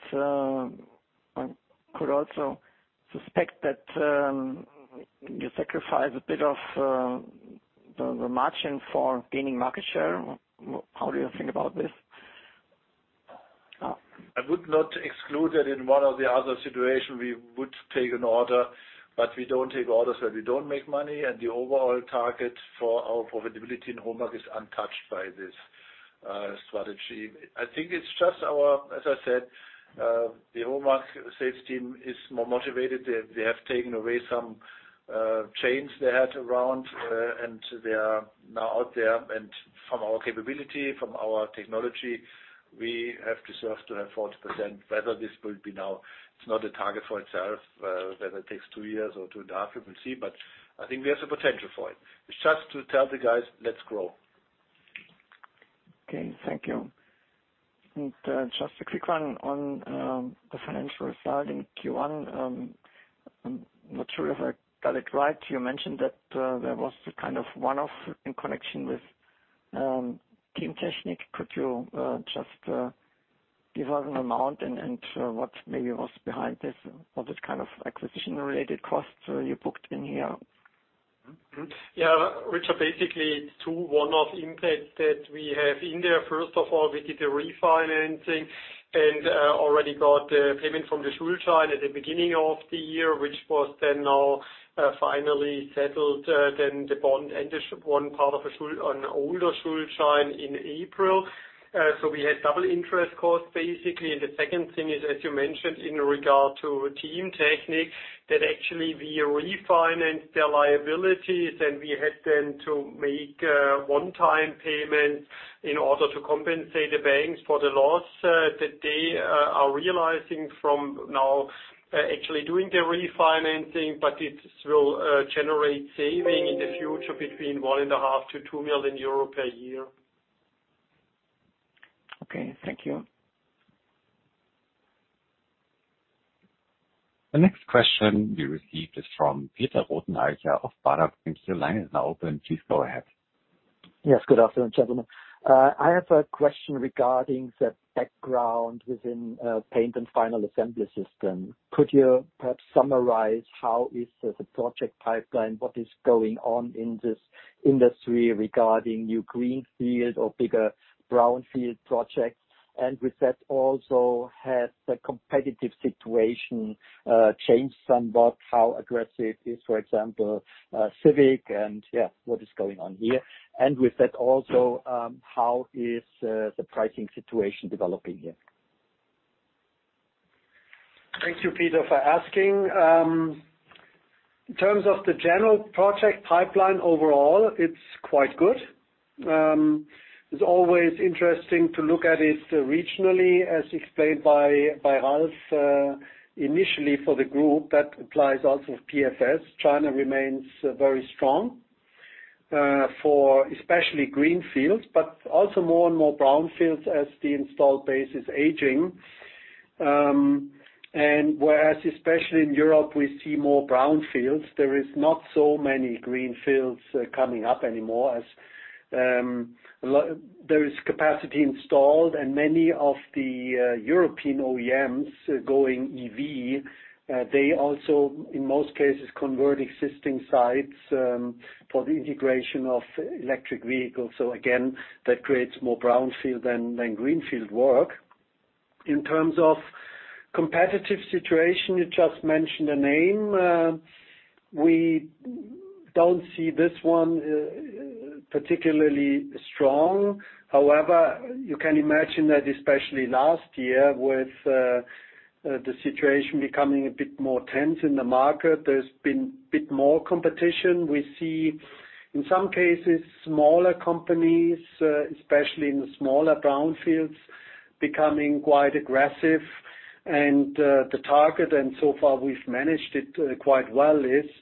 I could also suspect that you sacrifice a bit of the margin for gaining market share. How do you think about this? I would not exclude that in one or the other situation, we would take an order, but we don't take orders where we don't make money. And the overall target for our profitability in HOMAG is untouched by this strategy. I think it's just our, as I said, the HOMAG sales team is more motivated. They have taken away some chains they had around, and they are now out there. And from our capability, from our technology, we have deserved to have 40%. Whether this will be now, it's not a target for itself. Whether it takes two years or two and a half, we will see. But I think we have the potential for it. It's just to tell the guys, "Let's grow. Okay. Thank you. And just a quick one on the financial side in Q1. I'm not sure if I got it right. You mentioned that there was kind of one-off in connection with Teamtechnik. Could you just give us an amount and what maybe was behind this or this kind of acquisition-related cost you booked in here? Yeah. Richard, basically, it's two one-off impacts that we have in there. First of all, we did the refinancing and already got the payment from the Schuldschein at the beginning of the year, which was then now finally settled. Then the bond ended one part of an older Schuldschein in April. So we had double interest costs, basically. And the second thing is, as you mentioned, in regard to Teamtechnik, that actually we refinanced their liabilities. And we had them to make one-time payments in order to compensate the banks for the loss that they are realizing from now actually doing the refinancing. But this will generate saving in the future between 1.5 million-2 million euro per year. Okay. Thank you. The next question we received is from Peter Rothenaicher of Baader. Thanks. Your line is now open. Please go ahead. Yes. Good afternoon, gentlemen. I have a question regarding the background within Paint and Final Assembly Systems. Could you perhaps summarize how is the project pipeline, what is going on in this industry regarding new greenfield or bigger brownfield projects? And with that also, has the competitive situation changed somewhat? How aggressive is, for example, SCIVIC? And yeah, what is going on here? And with that also, how is the pricing situation developing here? Thank you, Peter, for asking. In terms of the general project pipeline overall, it's quite good. It's always interesting to look at it regionally, as explained by Ralf initially for the group. That applies also to PFS. China remains very strong for especially greenfields, but also more and more brownfields as the installed base is aging, and whereas especially in Europe, we see more brownfields, there are not so many greenfields coming up anymore as there is capacity installed, and many of the European OEMs going EV, they also, in most cases, convert existing sites for the integration of electric vehicles, so again, that creates more brownfield than greenfield work. In terms of competitive situation, you just mentioned a name. We don't see this one particularly strong. However, you can imagine that especially last year with the situation becoming a bit more tense in the market, there's been a bit more competition. We see, in some cases, smaller companies, especially in the smaller brownfields, becoming quite aggressive. And the target, and so far we've managed it quite well, is that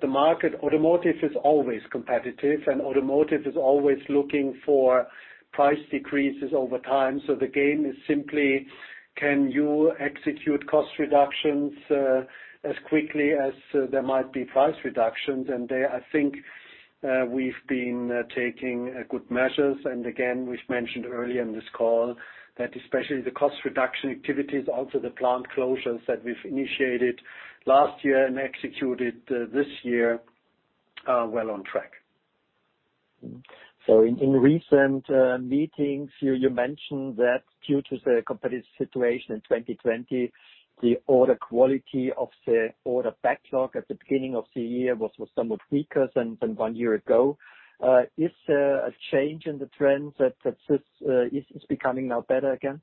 the market automotive is always competitive, and automotive is always looking for price decreases over time. So the game is simply, can you execute cost reductions as quickly as there might be price reductions? And there, I think we've been taking good measures. And again, we've mentioned earlier in this call that especially the cost reduction activities, also the plant closures that we've initiated last year and executed this year, are well on track. So in recent meetings, you mentioned that due to the competitive situation in 2020, the order quality of the order backlog at the beginning of the year was somewhat weaker than one year ago. Is there a change in the trend that this is becoming now better again?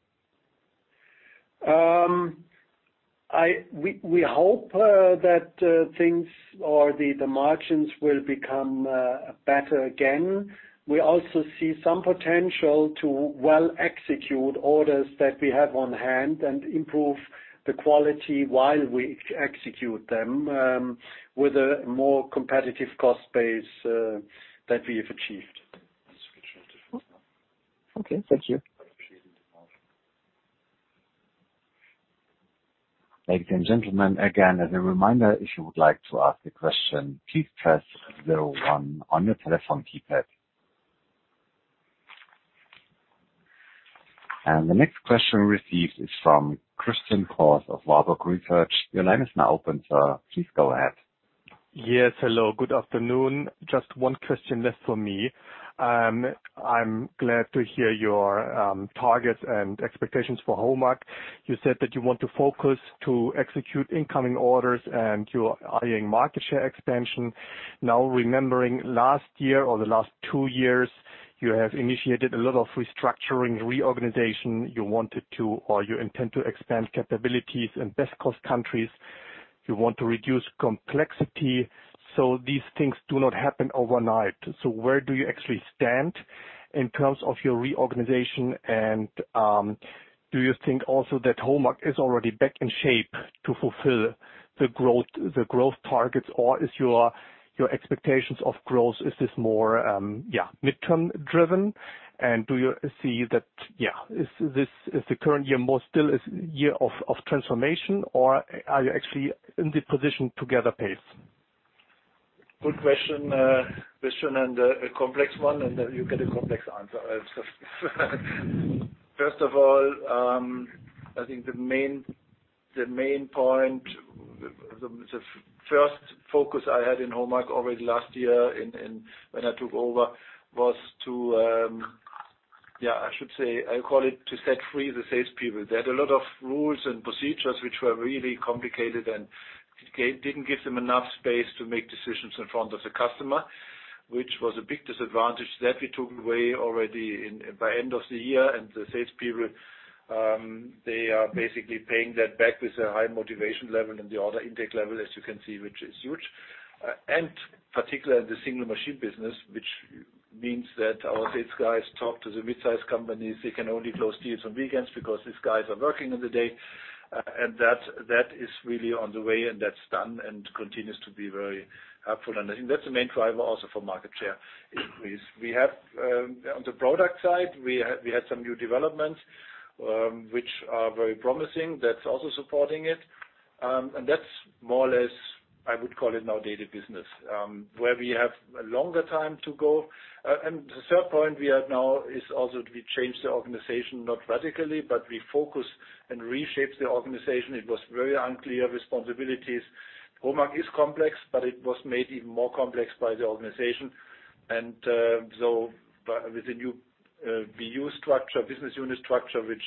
We hope that things or the margins will become better again. We also see some potential to well execute orders that we have on hand and improve the quality while we execute them with a more competitive cost base that we have achieved. Okay. Thank you. Thank you, gentlemen. Again, as a reminder, if you would like to ask a question, please press 01 on your telephone keypad. And the next question received is from Christian Cohrs of Warburg Research. Your line is now open, sir. Please go ahead. Yes. Hello. Good afternoon. Just one question left for me. I'm glad to hear your targets and expectations for HOMAG. You said that you want to focus to execute incoming orders and you are eyeing market share expansion. Now, remembering last year or the last two years, you have initiated a lot of restructuring, reorganization. You wanted to, or you intend to expand capabilities in best-cost countries. You want to reduce complexity. So these things do not happen overnight. So where do you actually stand in terms of your reorganization? And do you think also that HOMAG is already back in shape to fulfill the growth targets, or is your expectations of growth, is this more, yeah, midterm-driven? And do you see that, yeah, is the current year more still a year of transformation, or are you actually in the position to gather pace? Good question, question and a complex one, and you get a complex answer. First of all, I think the main point, the first focus I had in HOMAG already last year when I took over was to, yeah, I should say, I call it to set free the salespeople. They had a lot of rules and procedures which were really complicated and didn't give them enough space to make decisions in front of the customer, which was a big disadvantage that we took away already by end of the year, and the salespeople, they are basically paying that back with a high motivation level and the order intake level, as you can see, which is huge, and particularly in the single machine business, which means that our sales guys talk to the mid-size companies. They can only close deals on weekends because these guys are working in the day. And that is really on the way, and that's done and continues to be very helpful. And I think that's the main driver also for market share increase. On the product side, we had some new developments which are very promising. That's also supporting it. And that's more or less, I would call it now, daily business where we have a longer time to go. And the third point we have now is also we changed the organization not radically, but we focus and reshaped the organization. It was very unclear responsibilities. HOMAG is complex, but it was made even more complex by the organization. And so with the new BU structure, business unit structure, which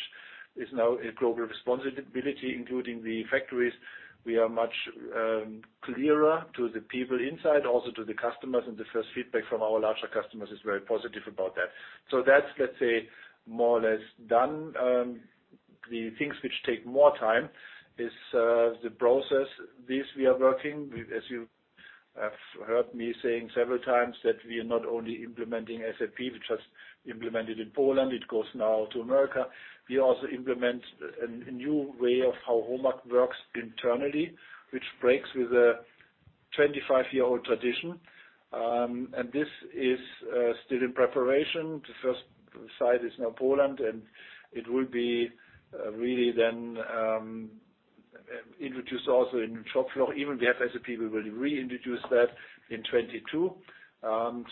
is now a global responsibility, including the factories, we are much clearer to the people inside, also to the customers. And the first feedback from our larger customers is very positive about that. So that's, let's say, more or less done. The things which take more time is the process. This we are working. As you have heard me saying several times that we are not only implementing SAP, which was implemented in Poland. It goes now to America. We also implement a new way of how HOMAG works internally, which breaks with a 25-year-old tradition. And this is still in preparation. The first site is now Poland, and it will be really then introduced also in shop floor. Even we have SAP, we will reintroduce that in 2022.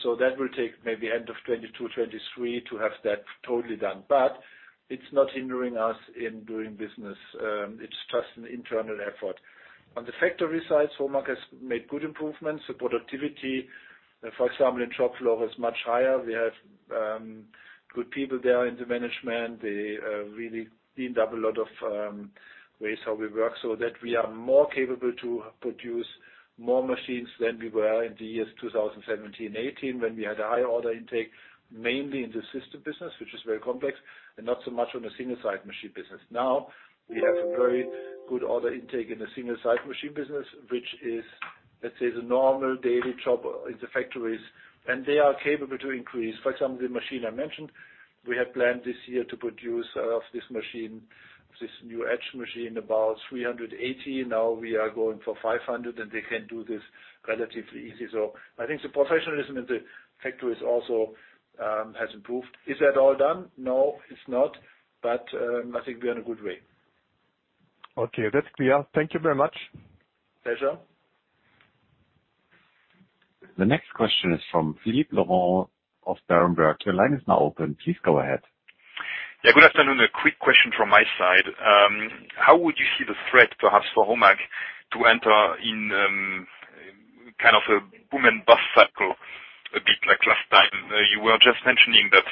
So that will take maybe end of 2022, 2023 to have that totally done. But it's not hindering us in doing business. It's just an internal effort. On the factory side, HOMAG has made good improvements. The productivity, for example, in shop floor is much higher. We have good people there in the management. They really cleaned up a lot of ways how we work so that we are more capable to produce more machines than we were in the years 2017, 2018, when we had a high order intake, mainly in the system business, which is very complex and not so much on the single-sided machine business. Now we have a very good order intake in the single-sided machine business, which is, let's say, the normal daily job in the factories, and they are capable to increase. For example, the machine I mentioned, we had planned this year to produce of this machine, this new edge machine, about 380. Now we are going for 500, and they can do this relatively easy. I think the professionalism in the factories also has improved. Is that all done? No, it's not. I think we are in a good way. Okay. That's clear. Thank you very much. Pleasure. The next question is from Philippe Lorrain of Berenberg. Your line is now open. Please go ahead. Yeah. Good afternoon. A quick question from my side. How would you see the threat, perhaps, for HOMAG to enter in kind of a boom and bust cycle, a bit like last time? You were just mentioning that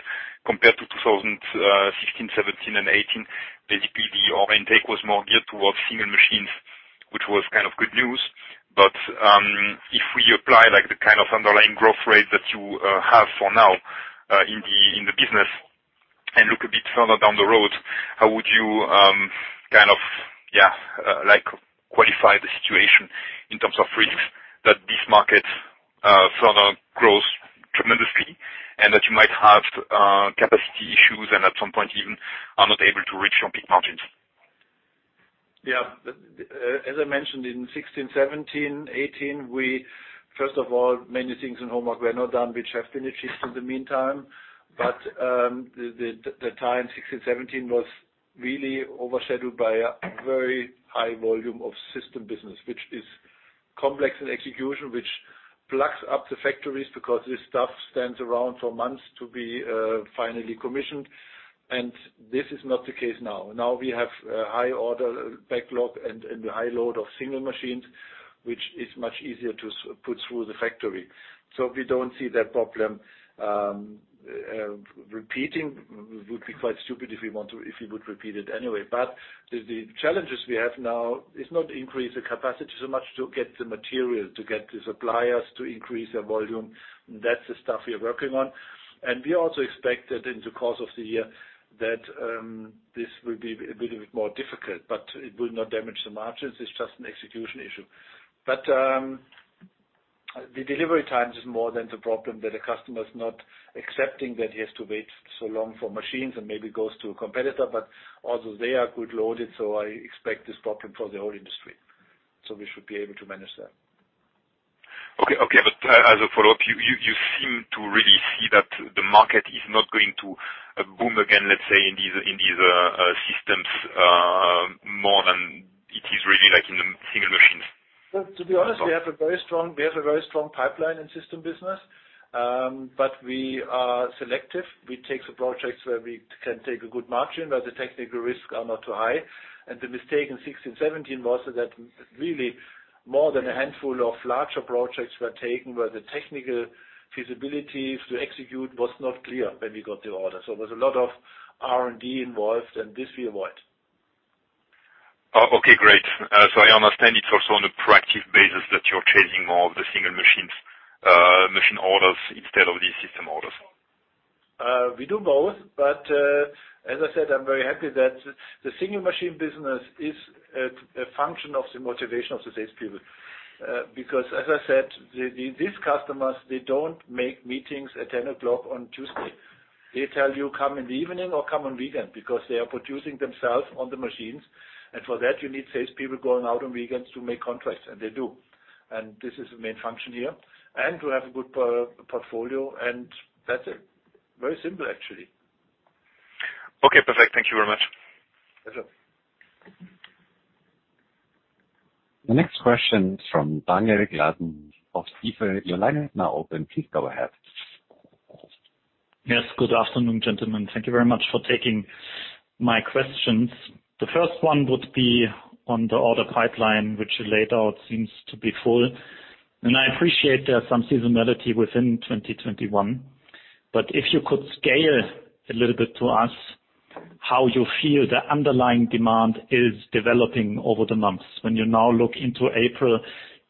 compared to 2016, 2017, and 2018, basically the order intake was more geared towards single machines, which was kind of good news. But if we apply the kind of underlying growth rate that you have for now in the business and look a bit further down the road, how would you kind of, yeah, qualify the situation in terms of risks that this market further grows tremendously and that you might have capacity issues and at some point even are not able to reach your peak margins? Yeah. As I mentioned, in 2016, 2017, 2018, first of all, many things in HOMAG were not done, which have been achieved in the meantime. But the time 2016, 2017 was really overshadowed by a very high volume of system business, which is complex in execution, which blocks up the factories because this stuff stands around for months to be finally commissioned. And this is not the case now. Now we have a high order backlog and a high load of single machines, which is much easier to put through the factory. So we don't see that problem repeating. It would be quite stupid if we would repeat it anyway. But the challenges we have now is not increase the capacity so much to get the material, to get the suppliers to increase their volume. That's the stuff we are working on. And we also expect that in the course of the year that this will be a bit more difficult, but it will not damage the margins. It's just an execution issue. But the delivery time is more the problem that a customer is not accepting that he has to wait so long for machines and maybe goes to a competitor. But although they are well loaded, so I expect this problem for the whole industry. So we should be able to manage that. Okay. Okay. But as a follow-up, you seem to really see that the market is not going to boom again, let's say, in these systems more than it is really in the single machines. To be honest, we have a very strong pipeline in system business, but we are selective. We take the projects where we can take a good margin, where the technical risks are not too high. The mistake in 2016, 2017 was that really more than a handful of larger projects were taken where the technical feasibility to execute was not clear when we got the order. So there was a lot of R&D involved, and this we avoid. Okay. Great. So I understand it's also on a proactive basis that you're chasing more of the single machine orders instead of the system orders. We do both, but as I said, I'm very happy that the single machine business is a function of the motivation of the salespeople. Because, as I said, these customers, they don't make meetings at 10 o'clock on Tuesday. They tell you, "Come in the evening or come on weekend," because they are producing themselves on the machines, and for that, you need salespeople going out on weekends to make contracts, and they do, and this is the main function here, and to have a good portfolio, and that's it. Very simple, actually. Okay. Perfect. Thank you very much. Pleasure. The next question is from Daniel Gleim of Stifel, your line is now open. Please go ahead. Yes. Good afternoon, gentlemen. Thank you very much for taking my questions. The first one would be on the order pipeline, which you laid out, seems to be full. And I appreciate there's some seasonality within 2021. But if you could scale a little bit to us how you feel the underlying demand is developing over the months. When you now look into April,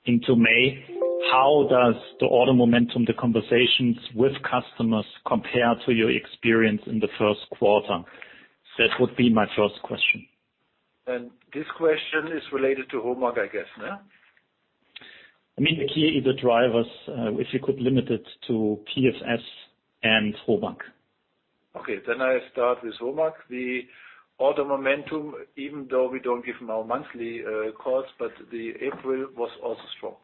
into May, how does the order momentum, the conversations with customers compare to your experience in the first quarter? That would be my first question. And this question is related to HOMAG, I guess, no? I mean, the key is the drivers. If you could limit it to PFS and HOMAG. Okay, then I start with HOMAG. The order momentum, even though we don't give more monthly calls, but the April was also strong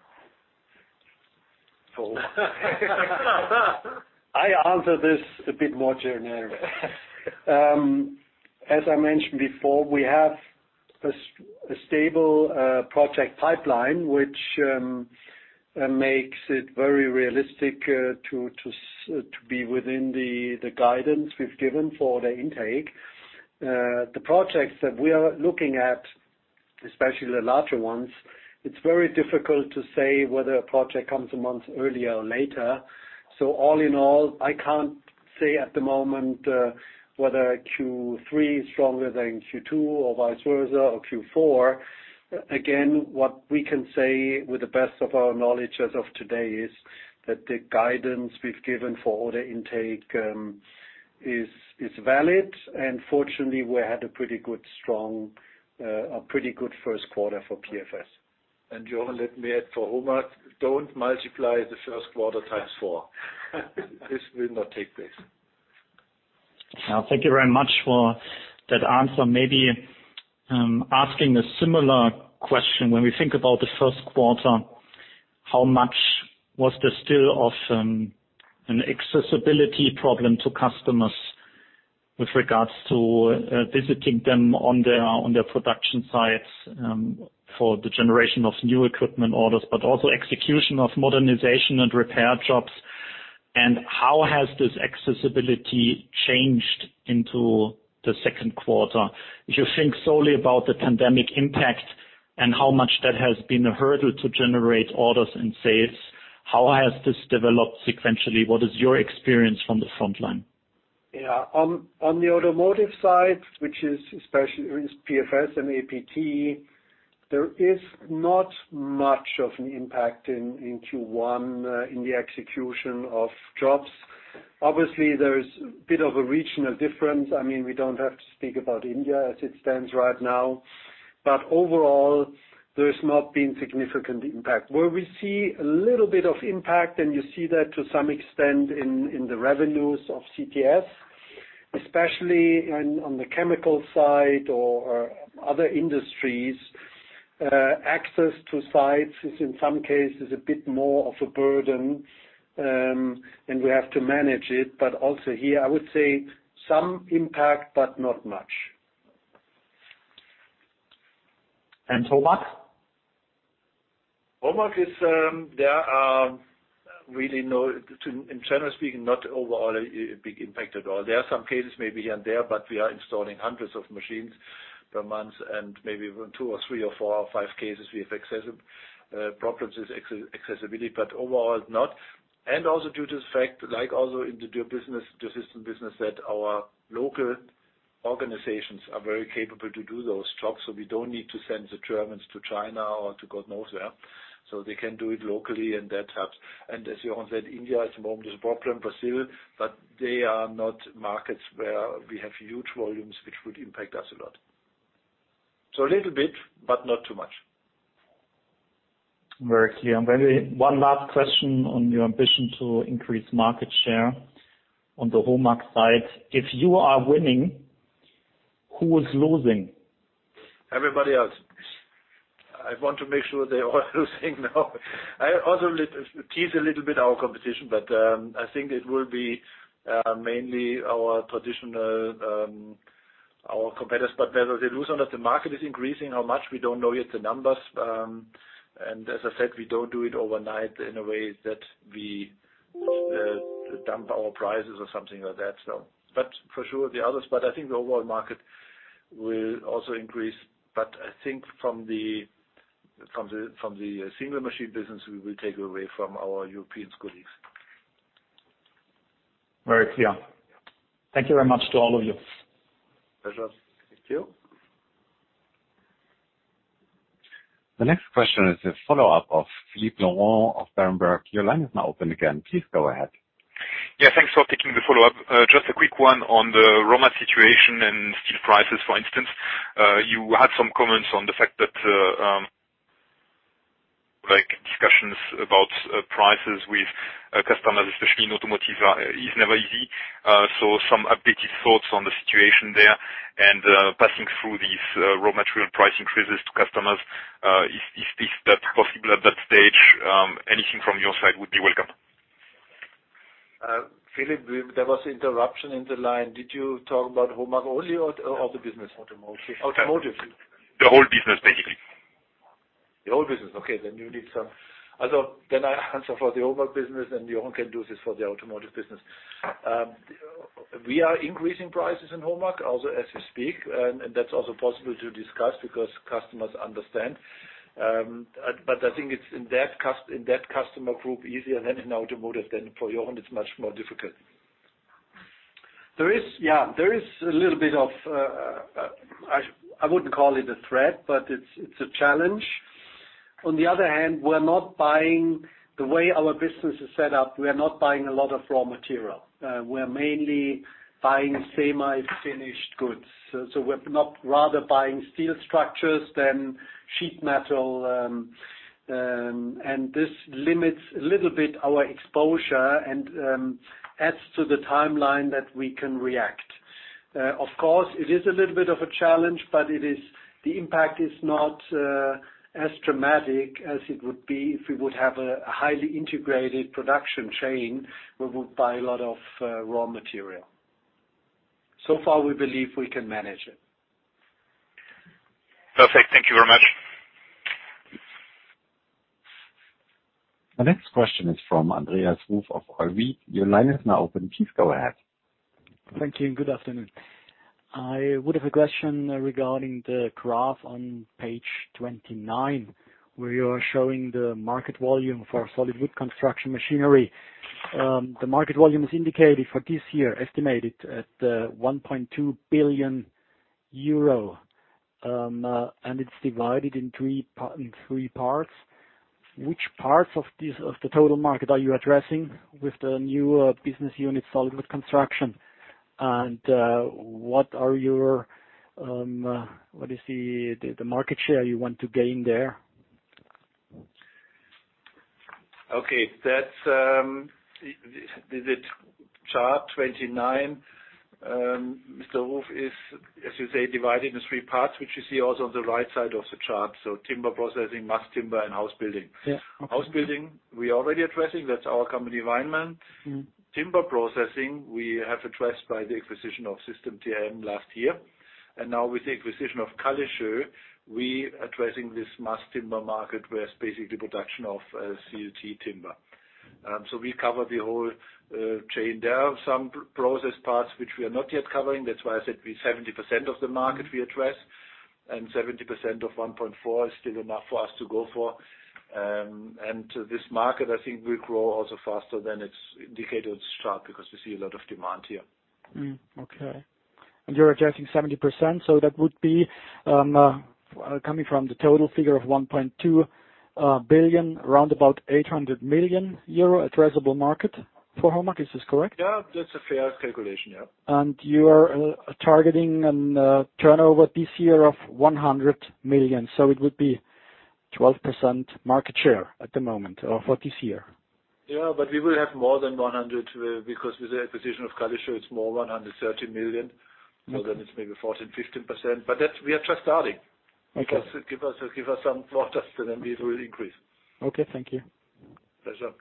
for HOMAG. I answer this a bit more generally. As I mentioned before, we have a stable project pipeline, which makes it very realistic to be within the guidance we've given for the intake. The projects that we are looking at, especially the larger ones, it's very difficult to say whether a project comes a month earlier or later. So all in all, I can't say at the moment whether Q3 is stronger than Q2 or vice versa or Q4. Again, what we can say with the best of our knowledge as of today is that the guidance we've given for order intake is valid. And fortunately, we had a pretty good strong first quarter for PFS. Jochen, let me add for HOMAG. Don't multiply the first quarter times four. This will not take place. Thank you very much for that answer. Maybe asking a similar question. When we think about the first quarter, how much was there still of an accessibility problem to customers with regards to visiting them on their production sites for the generation of new equipment orders, but also execution of modernization and repair jobs? And how has this accessibility changed into the second quarter? If you think solely about the pandemic impact and how much that has been a hurdle to generate orders and sales, how has this developed sequentially? What is your experience from the front line? Yeah. On the automotive side, which is PFS and APT, there is not much of an impact in Q1 in the execution of jobs. Obviously, there's a bit of a regional difference. I mean, we don't have to speak about India as it stands right now. But overall, there's not been significant impact. Where we see a little bit of impact, and you see that to some extent in the revenues of CTS, especially on the chemical side or other industries, access to sites is in some cases a bit more of a burden, and we have to manage it. But also here, I would say some impact, but not much. And HOMAG? HOMAG, there are really no, in general speaking, not overall a big impact at all. There are some cases maybe here and there, but we are installing hundreds of machines per month. And maybe two or three or four or five cases, we have access problems with accessibility. But overall, not. And also due to the fact, like also in the dual business, dual system business, that our local organizations are very capable to do those jobs. So we don't need to send the Germans to China or to God knows where. So they can do it locally. And as Jochen said, India at the moment is a problem, Brazil. But they are not markets where we have huge volumes, which would impact us a lot. So a little bit, but not too much. Very clear. One last question on your ambition to increase market share on the HOMAG side. If you are winning, who is losing? Everybody else. I want to make sure they are losing now. I also tease a little bit our competition, but I think it will be mainly our traditional competitors, but whether they lose or not, the market is increasing how much. We don't know yet the numbers, and as I said, we don't do it overnight in a way that we dump our prices or something like that, so, but for sure, the others, but I think the overall market will also increase, but I think from the single machine business, we will take away from our European colleagues. Very clear. Thank you very much to all of you. Pleasure. Thank you. The next question is a follow-up of Philippe Lorrain of Berenberg. Your line is now open again. Please go ahead. Yeah. Thanks for taking the follow-up. Just a quick one on the raw material situation and steel prices, for instance. You had some comments on the fact that discussions about prices with customers, especially in automotive, are never easy. So some updated thoughts on the situation there. And passing through these raw material price increases to customers, if that's possible at that stage, anything from your side would be welcome. Philippe, there was an interruption in the line. Did you talk about HOMAG only or the business? Automotive. Automotive. The whole business, basically. The whole business. Okay. Then you need some. So then I answer for the HOMAG business, and Jochen can do this for the automotive business. We are increasing prices in HOMAG also as we speak. And that's also possible to discuss because customers understand. But I think it's in that customer group easier than in automotive. For Jochen, it's much more difficult. Yeah. There is a little bit of. I wouldn't call it a threat, but it's a challenge. On the other hand, we're not buying the way our business is set up. We are not buying a lot of raw material. We're mainly buying semi-finished goods. So we're rather buying steel structures than sheet metal. And this limits a little bit our exposure and adds to the timeline that we can react. Of course, it is a little bit of a challenge, but the impact is not as dramatic as it would be if we would have a highly integrated production chain where we buy a lot of raw material. So far, we believe we can manage it. Perfect. Thank you very much. The next question is from Andreas Reiff of Raiffeisen. Your line is now open. Please go ahead. Thank you. Good afternoon. I would have a question regarding the graph on page 29 where you are showing the market volume for solid wood construction machinery. The market volume is indicated for this year estimated at 1.2 billion euro, and it's divided in three parts. Which parts of the total market are you addressing with the new business unit solid wood construction? And what is the market share you want to gain there? Okay. Is it chart 29? Mr. Ruiff, as you say, is divided into three parts, which you see also on the right side of the chart. So timber processing, mass timber, and house building. House building, we are already addressing. That's our company Weinmann. Timber processing, we have addressed by the acquisition of System TM last year. And now with the acquisition of Kallesoe, we are addressing this mass timber market where it's basically production of CLT timber. So we cover the whole chain there. Some process parts, which we are not yet covering. That's why I said 70% of the market we address. And 70% of 1.4 is still enough for us to go for. And this market, I think, will grow also faster than it's indicated on the chart because we see a lot of demand here. Okay. And you're addressing 70%. So that would be coming from the total figure of 1.2 billion, around about 800 million euro, addressable market for HOMAG. Is this correct? Yeah. That's a fair calculation. Yeah. You are targeting a turnover this year of 100 million. It would be 12% market share at the moment for this year. Yeah. But we will have more than 100 million because with the acquisition of Kallesoe, it's more 130 million. So then it's maybe 14%-15%. But we are just starting. Give us some water, and then we will increase. Okay. Thank you. Pleasure.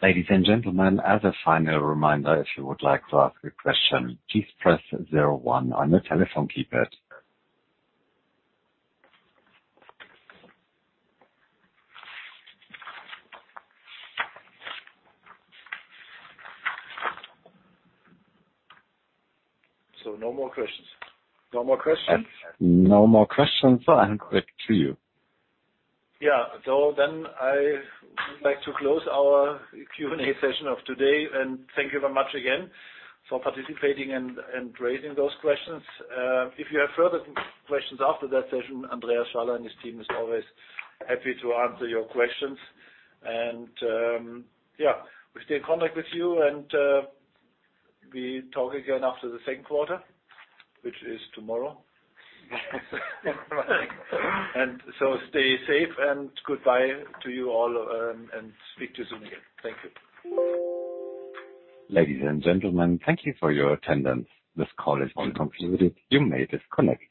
Ladies and gentlemen, as a final reminder, if you would like to ask a question, please press zero one on the telephone keypad. So no more questions. No more questions? And no more questions. And back to you. Yeah. So then I would like to close our Q&A session of today. And thank you very much again for participating and raising those questions. If you have further questions after that session, Andreas Schaller and his team are always happy to answer your questions. And yeah, we stay in contact with you. And we talk again after the second quarter, which is tomorrow. And so stay safe. And goodbye to you all. And speak to you soon again. Thank you. Ladies and gentlemen, thank you for your attendance. This call has been concluded. You may disconnect.